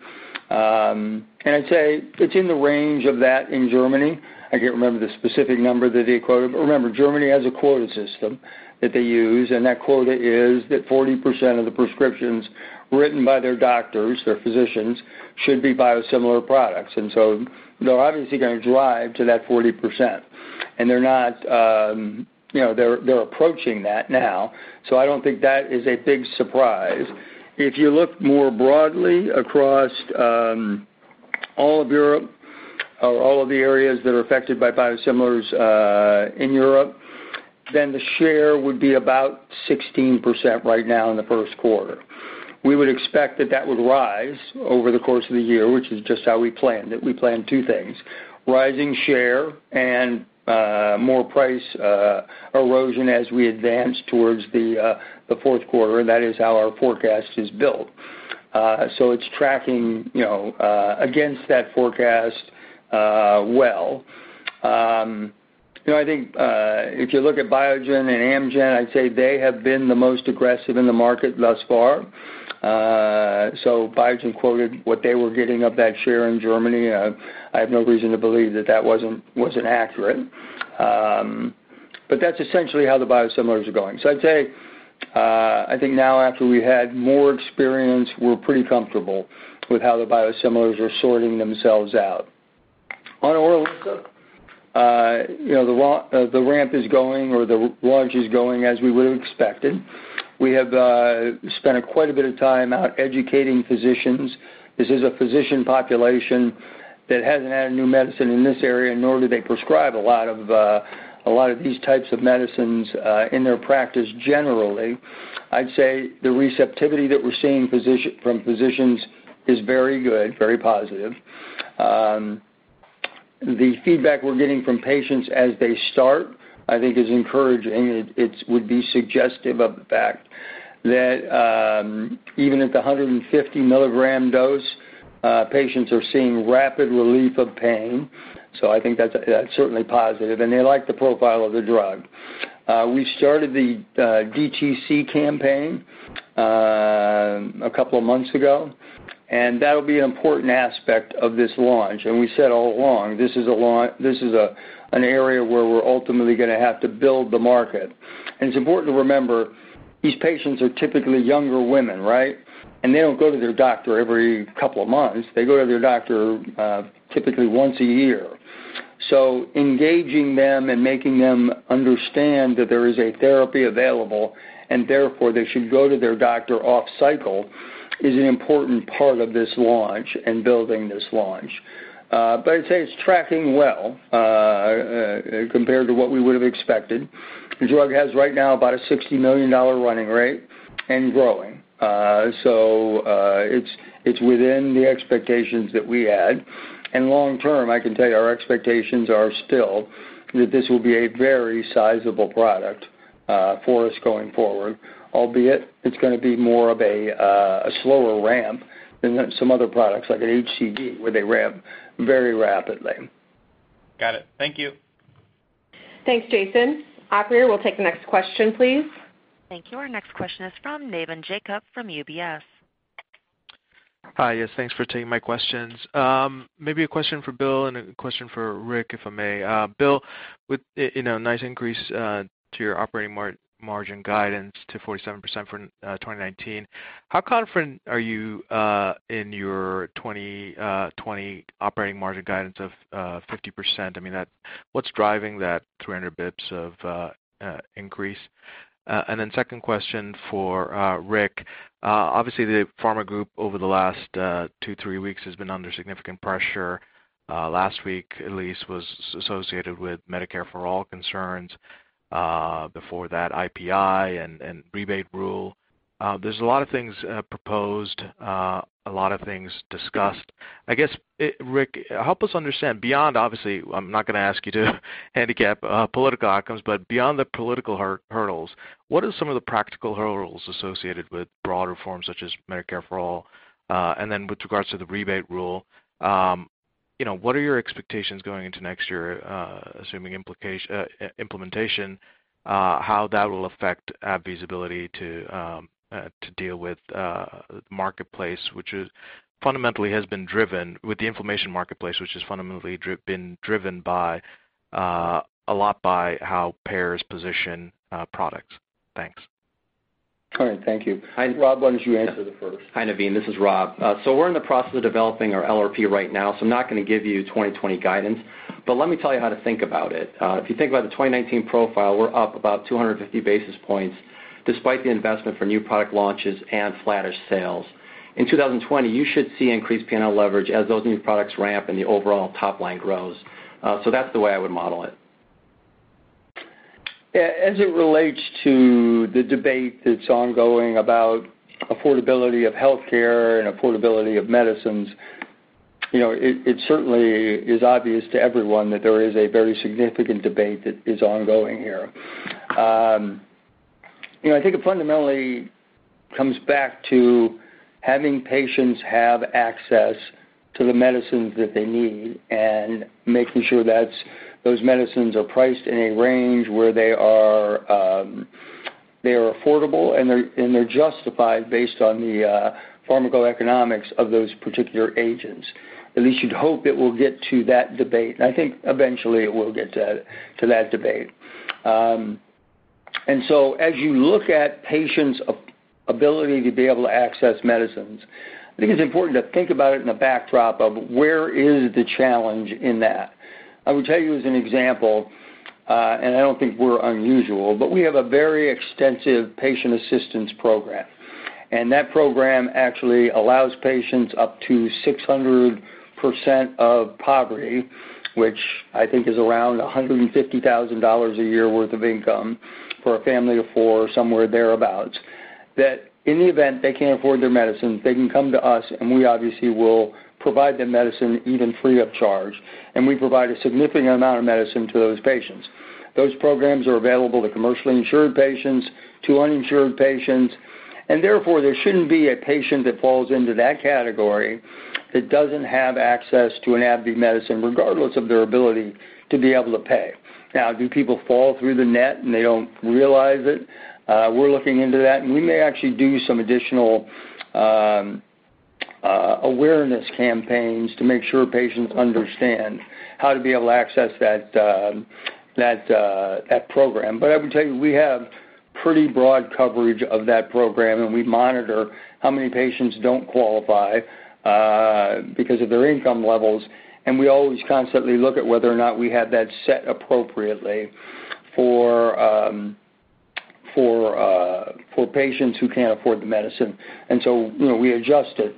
I'd say it's in the range of that in Germany. I can't remember the specific number that they quoted. Remember, Germany has a quota system that they use, and that quota is that 40% of the prescriptions written by their doctors, their physicians, should be biosimilar products. They're obviously going to drive to that 40%, and they're approaching that now. I don't think that is a big surprise. If you look more broadly across all of Europe or all of the areas that are affected by biosimilars in Europe, then the share would be about 16% right now in the first quarter. We would expect that that would rise over the course of the year, which is just how we planned it. We planned two things, rising share and more price erosion as we advance towards the fourth quarter, and that is how our forecast is built. It's tracking against that forecast well. I think if you look at Biogen and Amgen, I'd say they have been the most aggressive in the market thus far. Biogen quoted what they were getting of that share in Germany. I have no reason to believe that wasn't accurate. That's essentially how the biosimilars are going. I'd say, I think now after we had more experience, we're pretty comfortable with how the biosimilars are sorting themselves out. On ORILISSA, the ramp is going, or the launch is going as we would've expected. We have spent quite a bit of time out educating physicians. This is a physician population that hasn't had a new medicine in this area, nor do they prescribe a lot of these types of medicines in their practice generally. I'd say the receptivity that we're seeing from physicians is very good, very positive. The feedback we're getting from patients as they start, I think is encouraging, and it would be suggestive of the fact that even at the 150 milligram dose, patients are seeing rapid relief of pain. I think that's certainly positive. They like the profile of the drug. We started the DTC campaign a couple of months ago, and that'll be an important aspect of this launch. We said all along, this is an area where we're ultimately going to have to build the market. It's important to remember, these patients are typically younger women, right? They don't go to their doctor every couple of months. They go to their doctor typically once a year. Engaging them and making them understand that there is a therapy available, and therefore they should go to their doctor off-cycle, is an important part of this launch and building this launch. I'd say it's tracking well compared to what we would've expected. The drug has right now about a $60 million running rate and growing. It's within the expectations that we had. Long term, I can tell you our expectations are still that this will be a very sizable product for us going forward, albeit it's going to be more of a slower ramp than some other products, like an HCV, where they ramp very rapidly. Got it. Thank you. Thanks, Jason. Operator, we'll take the next question, please. Thank you. Our next question is from Navin Jacob from UBS. Hi. Yes, thanks for taking my questions. Maybe a question for Bill and a question for Rick, if I may. Bill, with a nice increase to your operating margin guidance to 47% for 2019, how confident are you in your 2020 operating margin guidance of 50%? What's driving that 300 basis points of increase? Second question for Rick. Obviously, the pharma group over the last two, three weeks has been under significant pressure. Last week, at least, was associated with Medicare-for-all concerns. Before that, IPI and rebate rule. There's a lot of things proposed, a lot of things discussed. I guess, Rick, help us understand beyond, obviously, I'm not going to ask you to handicap political outcomes, but beyond the political hurdles, what are some of the practical hurdles associated with broader reforms such as Medicare-for-all? With regards to the rebate rule, what are your expectations going into next year, assuming implementation, how that will affect AbbVie's ability to deal with marketplace, which fundamentally has been driven with the inflammation marketplace, which has fundamentally been driven a lot by how payers position products. Thanks. All right. Thank you. Rob, why don't you answer the first? Hi, Navin. This is Rob. We're in the process of developing our LRP right now, I'm not going to give you 2020 guidance. Let me tell you how to think about it. If you think about the 2019 profile, we're up about 250 basis points despite the investment for new product launches and flattish sales. In 2020, you should see increased P&L leverage as those new products ramp and the overall top line grows. That's the way I would model it. As it relates to the debate that's ongoing about affordability of healthcare and affordability of medicines, it certainly is obvious to everyone that there is a very significant debate that is ongoing here. I think it fundamentally comes back to having patients have access to the medicines that they need and making sure those medicines are priced in a range where they are affordable and they're justified based on the pharmacoeconomics of those particular agents. At least you'd hope it will get to that debate. I think eventually it will get to that debate. As you look at patients' ability to be able to access medicines, I think it's important to think about it in the backdrop of where is the challenge in that. I would tell you as an example, I don't think we're unusual, but we have a very extensive patient assistance program. That program actually allows patients up to 600% of poverty, which I think is around $150,000 a year worth of income for a family of four, somewhere thereabouts. That in the event they can't afford their medicine, they can come to us. We obviously will provide the medicine even free of charge, and we provide a significant amount of medicine to those patients. Those programs are available to commercially insured patients, to uninsured patients. Therefore, there shouldn't be a patient that falls into that category that doesn't have access to an AbbVie medicine regardless of their ability to be able to pay. Now, do people fall through the net and they don't realize it? We're looking into that. We may actually do some additional awareness campaigns to make sure patients understand how to be able to access that program. I would tell you, we have pretty broad coverage of that program. We monitor how many patients don't qualify because of their income levels. We always constantly look at whether or not we have that set appropriately for patients who can't afford the medicine. We adjust it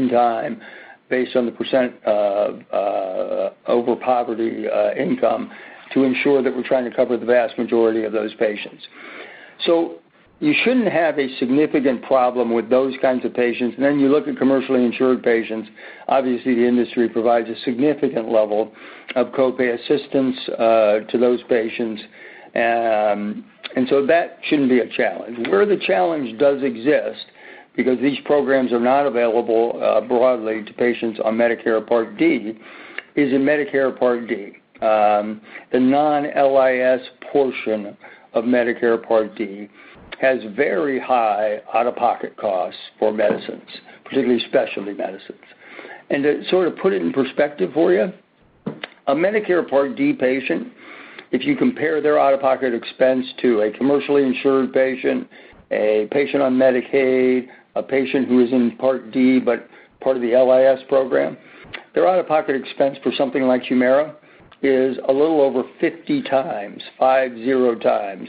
in time based on the percent of over-poverty income to ensure that we're trying to cover the vast majority of those patients. You shouldn't have a significant problem with those kinds of patients. You look at commercially insured patients. Obviously, the industry provides a significant level of copay assistance to those patients, and that shouldn't be a challenge. Where the challenge does exist, because these programs are not available broadly to patients on Medicare Part D, is in Medicare Part D. The non-LIS portion of Medicare Part D has very high out-of-pocket costs for medicines, particularly specialty medicines. To sort of put it in perspective for you, a Medicare Part D patient, if you compare their out-of-pocket expense to a commercially insured patient, a patient on Medicaid, a patient who is in Part D, but part of the LIS program, their out-of-pocket expense for something like HUMIRA is a little over 50 times, five zero times,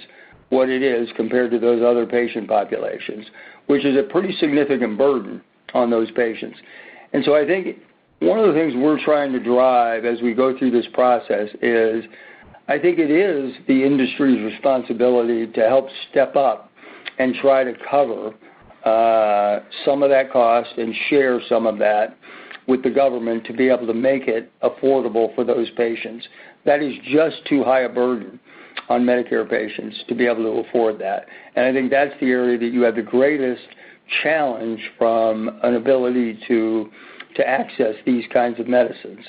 what it is compared to those other patient populations, which is a pretty significant burden on those patients. I think one of the things we're trying to drive as we go through this process is, I think it is the industry's responsibility to help step up and try to cover some of that cost and share some of that with the government to be able to make it affordable for those patients. That is just too high a burden on Medicare patients to be able to afford that. I think that's the area that you have the greatest challenge from an ability to access these kinds of medicines.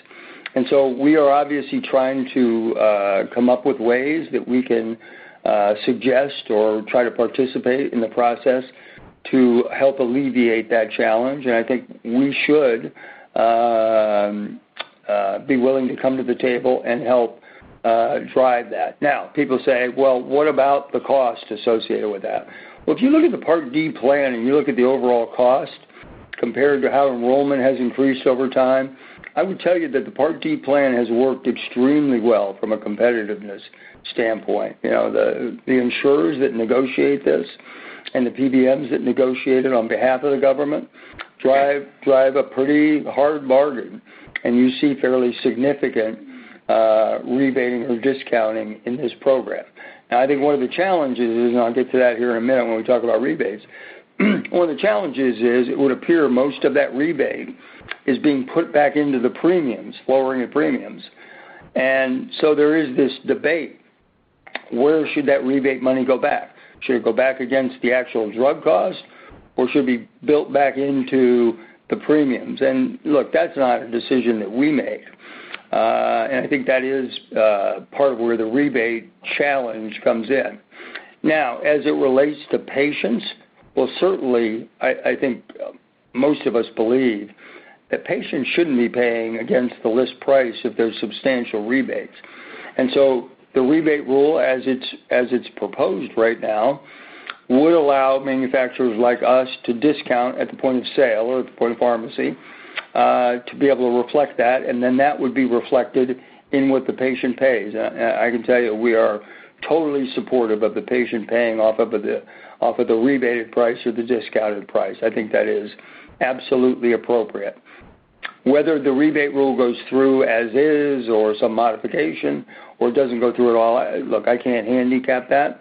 We are obviously trying to come up with ways that we can suggest or try to participate in the process to help alleviate that challenge, and I think we should be willing to come to the table and help drive that. Now, people say, "Well, what about the cost associated with that?" Well, if you look at the Part D plan and you look at the overall cost compared to how enrollment has increased over time, I would tell you that the Part D plan has worked extremely well from a competitiveness standpoint. The insurers that negotiate this and the PBMs that negotiate it on behalf of the government drive a pretty hard bargain, and you see fairly significant rebating or discounting in this program. Now, I think one of the challenges, and I'll get to that here in a minute when we talk about rebates, one of the challenges is it would appear most of that rebate is being put back into the premiums, lowering the premiums. There is this debate, where should that rebate money go back? Should it go back against the actual drug cost, or should it be built back into the premiums? Look, that's not a decision that we make. I think that is part of where the rebate challenge comes in. Now, as it relates to patients, well, certainly, I think most of us believe that patients shouldn't be paying against the list price if there's substantial rebates. The rebate rule, as it's proposed right now, would allow manufacturers like us to discount at the point of sale or at the point of pharmacy, to be able to reflect that, and then that would be reflected in what the patient pays. I can tell you, we are totally supportive of the patient paying off of the rebated price or the discounted price. I think that is absolutely appropriate. Whether the rebate rule goes through as is or some modification or doesn't go through at all, look, I can't handicap that.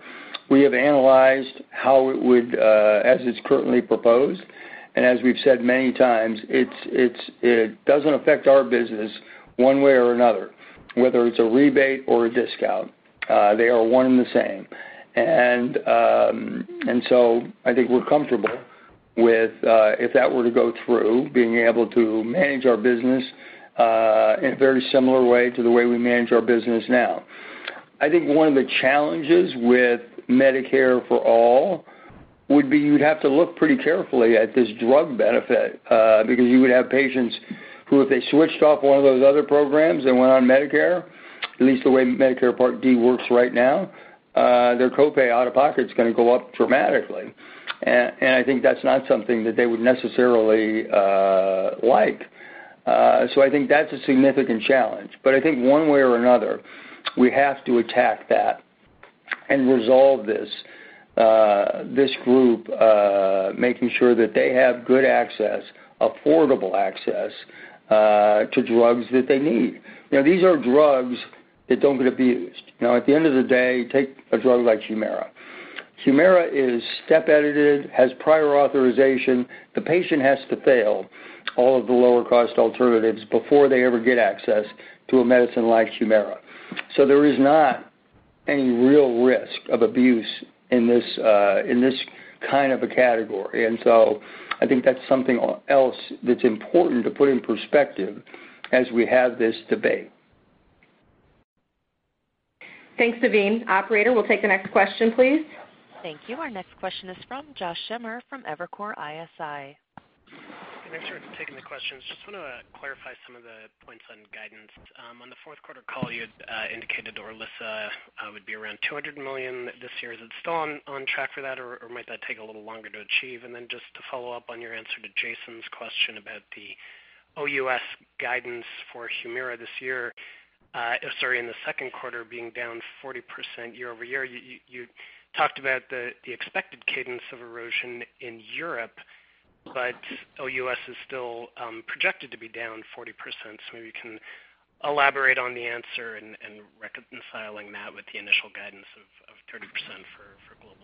We have analyzed how it would as it's currently proposed, and as we've said many times, it doesn't affect our business one way or another, whether it's a rebate or a discount. They are one and the same. I think we're comfortable with, if that were to go through, being able to manage our business in a very similar way to the way we manage our business now. I think one of the challenges with Medicare for All would be you'd have to look pretty carefully at this drug benefit, because you would have patients who, if they switched off one of those other programs and went on Medicare, at least the way Medicare Part D works right now, their copay out-of-pocket's going to go up dramatically. I think that's not something that they would necessarily like. I think that's a significant challenge. I think one way or another, we have to attack that and resolve this group, making sure that they have good access, affordable access to drugs that they need. These are drugs that don't get abused. At the end of the day, take a drug like HUMIRA. HUMIRA is step-edited, has prior authorization. The patient has to fail all of the lower-cost alternatives before they ever get access to a medicine like HUMIRA. There is not any real risk of abuse in this kind of a category. I think that's something else that's important to put in perspective as we have this debate. Thanks, Navin. Operator, we'll take the next question, please. Thank you. Our next question is from Josh Schimmer from Evercore ISI. Can I start taking the questions? Just want to clarify some of the points on guidance. On the fourth quarter call, you had indicated ORILISSA would be around $200 million this year. Is it still on track for that, or might that take a little longer to achieve? Just to follow up on your answer to Jason's question about the OUS guidance for HUMIRA this year, sorry, in the second quarter being down 40% year-over-year, you talked about the expected cadence of erosion in Europe, but OUS is still projected to be down 40%. Maybe you can elaborate on the answer and reconciling that with the initial guidance of 30% for global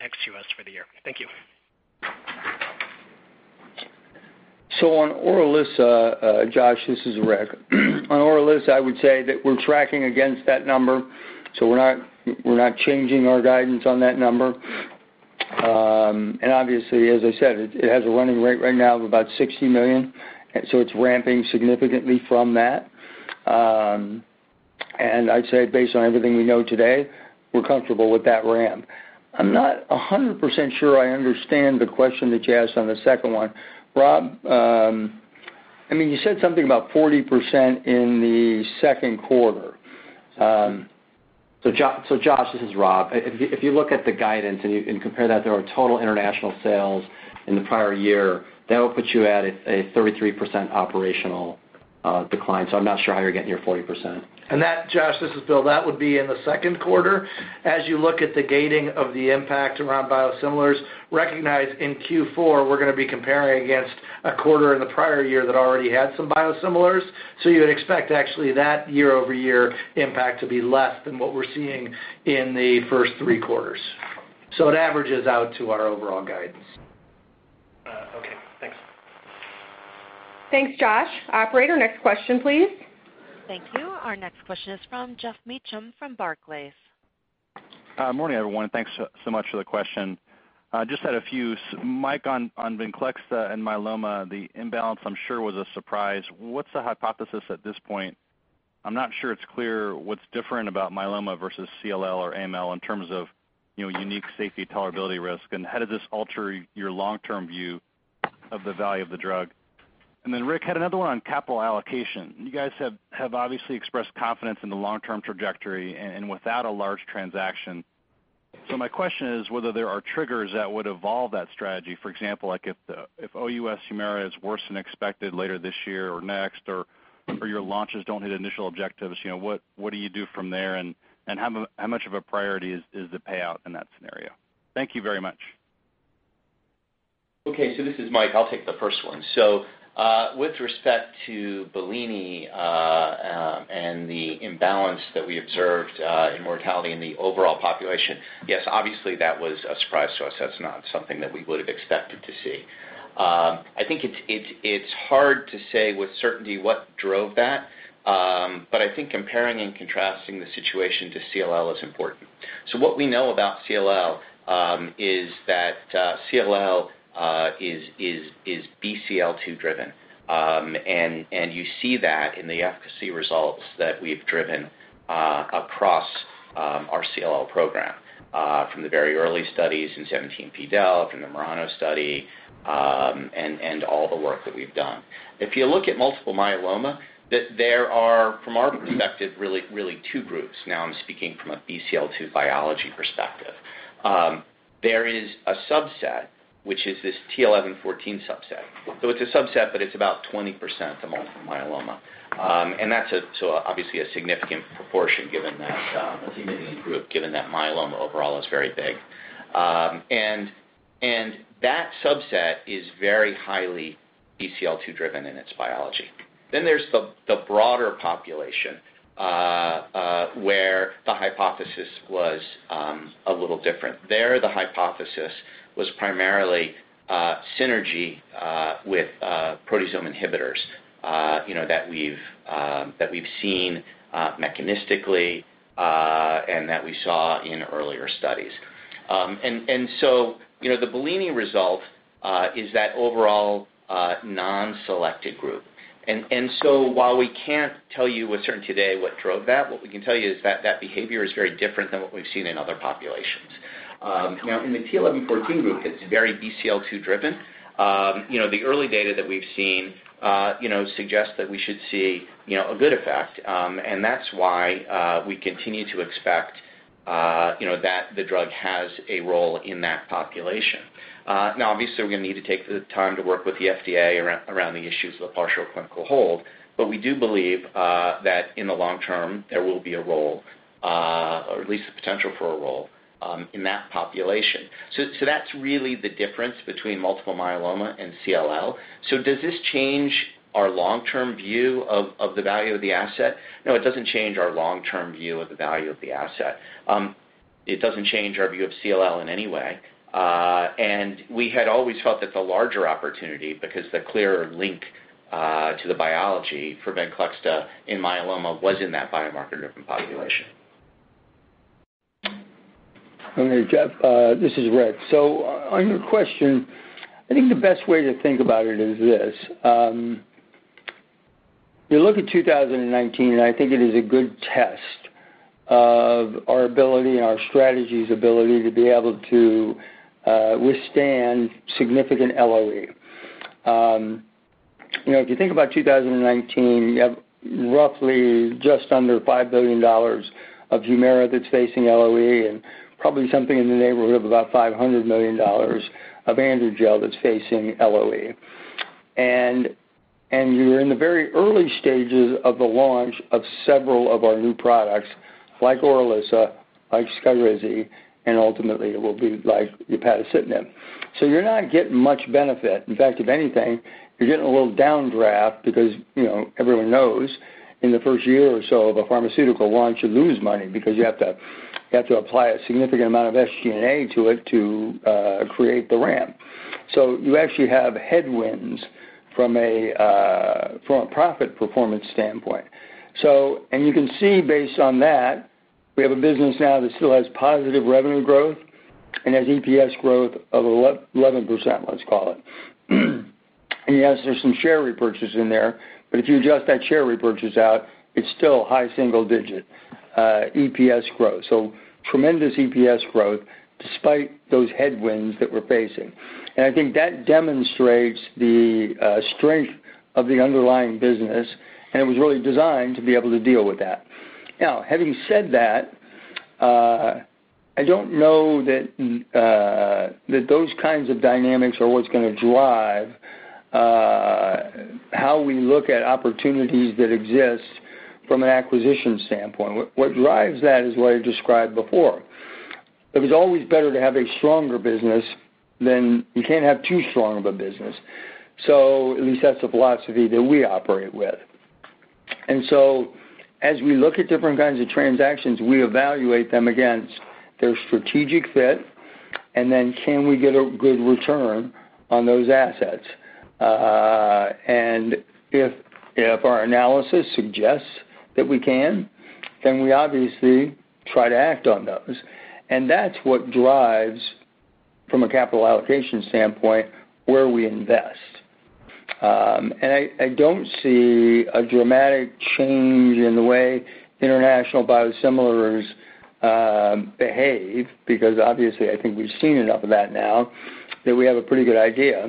ex-U.S. for the year. Thank you. On ORILISSA, Josh, this is Rick. On ORILISSA, I would say that we're tracking against that number, so we're not changing our guidance on that number. Obviously, as I said, it has a running rate right now of about $60 million, so it's ramping significantly from that. I'd say based on everything we know today, we're comfortable with that ramp. I'm not 100% sure I understand the question that you asked on the second one. Rob, you said something about 40% in the second quarter. Josh, this is Rob. If you look at the guidance and you compare that to our total international sales in the prior year, that would put you at a 33% operational decline. I'm not sure how you're getting your 40%. That, Josh, this is Bill, that would be in the second quarter. As you look at the gating of the impact around biosimilars, recognize in Q4, we're going to be comparing against a quarter in the prior year that already had some biosimilars. You would expect actually that year-over-year impact to be less than what we're seeing in the first three quarters. It averages out to our overall guidance. Okay, thanks. Thanks, Josh. Operator, next question, please. Thank you. Our next question is from Geoffrey Meacham from Barclays. Morning, everyone. Thanks so much for the question. Just had a few. Mike, on VENCLEXTA and myeloma, the imbalance I'm sure was a surprise. What's the hypothesis at this point? I'm not sure it's clear what's different about myeloma versus CLL or AML in terms of unique safety tolerability risk, and how did this alter your long-term view of the value of the drug? Rick, had another one on capital allocation. You guys have obviously expressed confidence in the long-term trajectory and without a large transaction. My question is whether there are triggers that would evolve that strategy. For example, like if OUS HUMIRA is worse than expected later this year or next, or your launches don't hit initial objectives, what do you do from there, and how much of a priority is the payout in that scenario? Thank you very much. Okay, this is Mike. I'll take the first one. With respect to BELLINI, and the imbalance that we observed in mortality in the overall population, yes, obviously that was a surprise to us. That's not something that we would have expected to see. I think it's hard to say with certainty what drove that, but I think comparing and contrasting the situation to CLL is important. What we know about CLL, is that CLL is BCL-2 driven. You see that in the efficacy results that we've driven across our CLL program, from the very early studies in 17p deletion, from the MURANO study, and all the work that we've done. If you look at multiple myeloma, there are, from our perspective, really two groups. I'm speaking from a BCL-2 biology perspective. There is a subset, which is this t(11;14) subset. It's a subset, but it's about 20% of multiple myeloma. That's obviously a significant proportion given that myeloma overall is very big. That subset is very highly BCL-2 driven in its biology. There's the broader population, where the hypothesis was a little different. There, the hypothesis was primarily synergy with proteasome inhibitors that we've seen mechanistically, and that we saw in earlier studies. The BELLINI result is that overall non-selected group. While we can't tell you with certainty today what drove that, what we can tell you is that that behavior is very different than what we've seen in other populations. In the t(11;14) group, it's very BCL-2 driven. The early data that we've seen suggests that we should see a good effect, and that's why we continue to expect that the drug has a role in that population. Obviously, we're going to need to take the time to work with the FDA around the issues of the partial clinical hold. We do believe that in the long term, there will be a role, or at least the potential for a role in that population. That's really the difference between multiple myeloma and CLL. Does this change our long-term view of the value of the asset? No, it doesn't change our long-term view of the value of the asset. It doesn't change our view of CLL in any way. We had always felt that the larger opportunity, because the clearer link to the biology for VENCLEXTA in myeloma was in that biomarker-driven population. Okay, Jeff, this is Rick. On your question, I think the best way to think about it is this. You look at 2019, and I think it is a good test of our ability and our strategy's ability to be able to withstand significant LOE. If you think about 2019, you have roughly just under $5 billion of HUMIRA that's facing LOE and probably something in the neighborhood of about $500 million of AndroGel that's facing LOE. You're in the very early stages of the launch of several of our new products, like ORILISSA, like SKYRIZI, and ultimately, it will be like upadacitinib. You're not getting much benefit. In fact, if anything, you're getting a little downdraft because everyone knows in the first year or so of a pharmaceutical launch, you lose money because you have to apply a significant amount of SG&A to it to create the ramp. You actually have headwinds from a profit performance standpoint. You can see based on that, we have a business now that still has positive revenue growth and has EPS growth of 11%, let's call it. Yes, there's some share repurchase in there, but if you adjust that share repurchase out, it's still high single-digit EPS growth. Tremendous EPS growth despite those headwinds that we're facing. I think that demonstrates the strength of the underlying business, and it was really designed to be able to deal with that. Now, having said that, I don't know that those kinds of dynamics are what's going to drive how we look at opportunities that exist from an acquisition standpoint. What drives that is what I described before. It was always better to have a stronger business than you can't have too strong of a business. At least that's the philosophy that we operate with. As we look at different kinds of transactions, we evaluate them against their strategic fit, and then can we get a good return on those assets? If our analysis suggests that we can, then we obviously try to act on those. That's what drives, from a capital allocation standpoint, where we invest. I don't see a dramatic change in the way international biosimilars behave, because obviously, I think we've seen enough of that now that we have a pretty good idea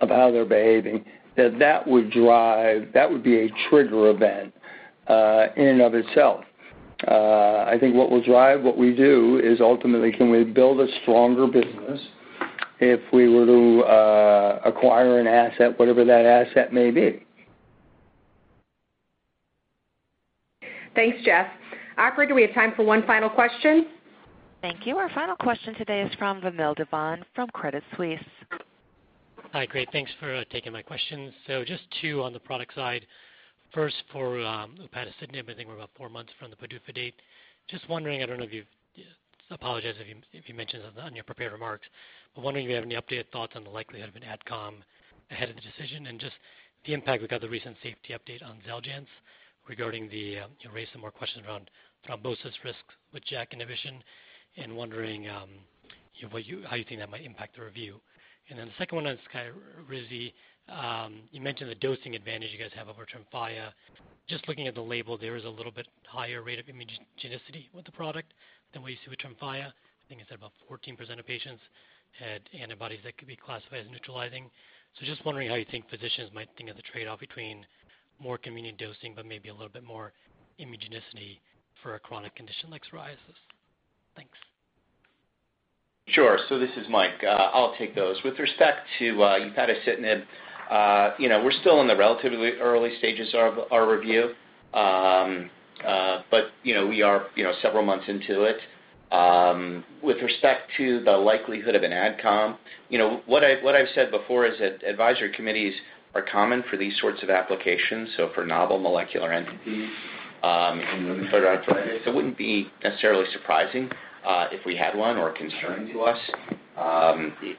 of how they're behaving, that that would be a trigger event in and of itself. I think what will drive what we do is ultimately, can we build a stronger business if we were to acquire an asset, whatever that asset may be. Thanks, Jeff. Operator, do we have time for one final question? Thank you. Our final question today is from Vamil Divan from Credit Suisse. Hi. Great. Thanks for taking my questions. Just two on the product side. First, for upadacitinib, I think we're about 4 months from the PDUFA date. Just wondering, I don't know if you've apologize if you mentioned it in your prepared remarks, but wondering if you have any updated thoughts on the likelihood of an AdCom ahead of the decision, and just the impact we got the recent safety update on XELJANZ regarding the you raised some more questions around thrombosis risks with JAK inhibition and wondering how you think that might impact the review. The second one on SKYRIZI. You mentioned the dosing advantage you guys have over TREMFYA. Just looking at the label, there is a little bit higher rate of immunogenicity with the product than we see with TREMFYA. I think it's about 14% of patients had antibodies that could be classified as neutralizing. Just wondering how you think physicians might think of the trade-off between more convenient dosing, but maybe a little bit more immunogenicity for a chronic condition like psoriasis. Thanks. Sure. This is Mike. I'll take those. With respect to upadacitinib, we're still in the relatively early stages of our review. We are several months into it. With respect to the likelihood of an AdCom, what I've said before is that advisory committees are common for these sorts of applications, for novel molecular entities in rheumatoid arthritis. It wouldn't be necessarily surprising if we had one or concerning to us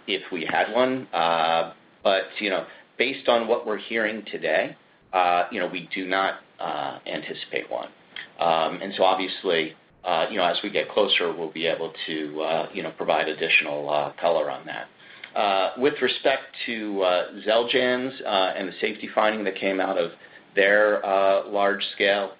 if we had one. Based on what we're hearing today, we do not anticipate one. Obviously, as we get closer, we'll be able to provide additional color on that. With respect to XELJANZ and the safety finding that came out of their large-scale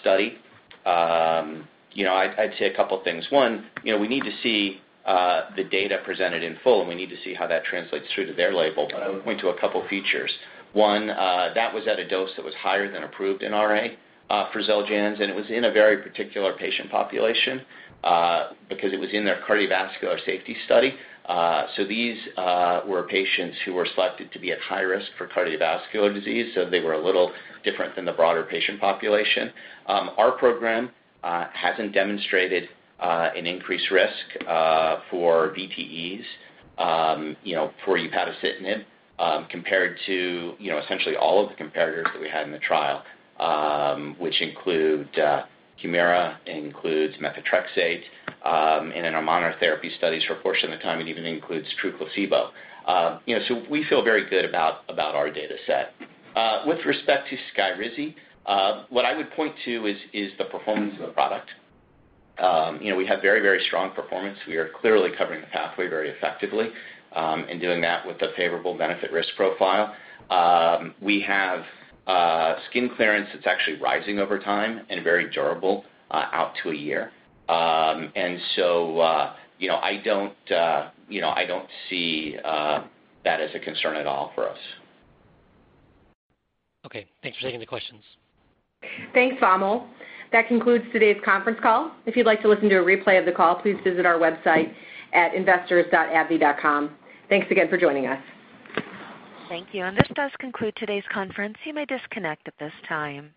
study, I'd say a couple of things. One, we need to see the data presented in full, and we need to see how that translates through to their label. I would point to a couple features. One, that was at a dose that was higher than approved in RA for XELJANZ, and it was in a very particular patient population because it was in their cardiovascular safety study. These were patients who were selected to be at high risk for cardiovascular disease, so they were a little different than the broader patient population. Our program hasn't demonstrated an increased risk for VTEs for upadacitinib compared to essentially all of the comparators that we had in the trial, which include HUMIRA, it includes methotrexate, and in our monotherapy studies, for a portion of the time, it even includes true placebo. We feel very good about our data set. With respect to SKYRIZI, what I would point to is the performance of the product. We have very strong performance. We are clearly covering the pathway very effectively and doing that with a favorable benefit-risk profile. We have skin clearance that's actually rising over time and very durable out to a year. I don't see that as a concern at all for us. Okay. Thanks for taking the questions. Thanks, Vamil. That concludes today's conference call. If you'd like to listen to a replay of the call, please visit our website at investors.abbvie.com. Thanks again for joining us. Thank you. This does conclude today's conference. You may disconnect at this time.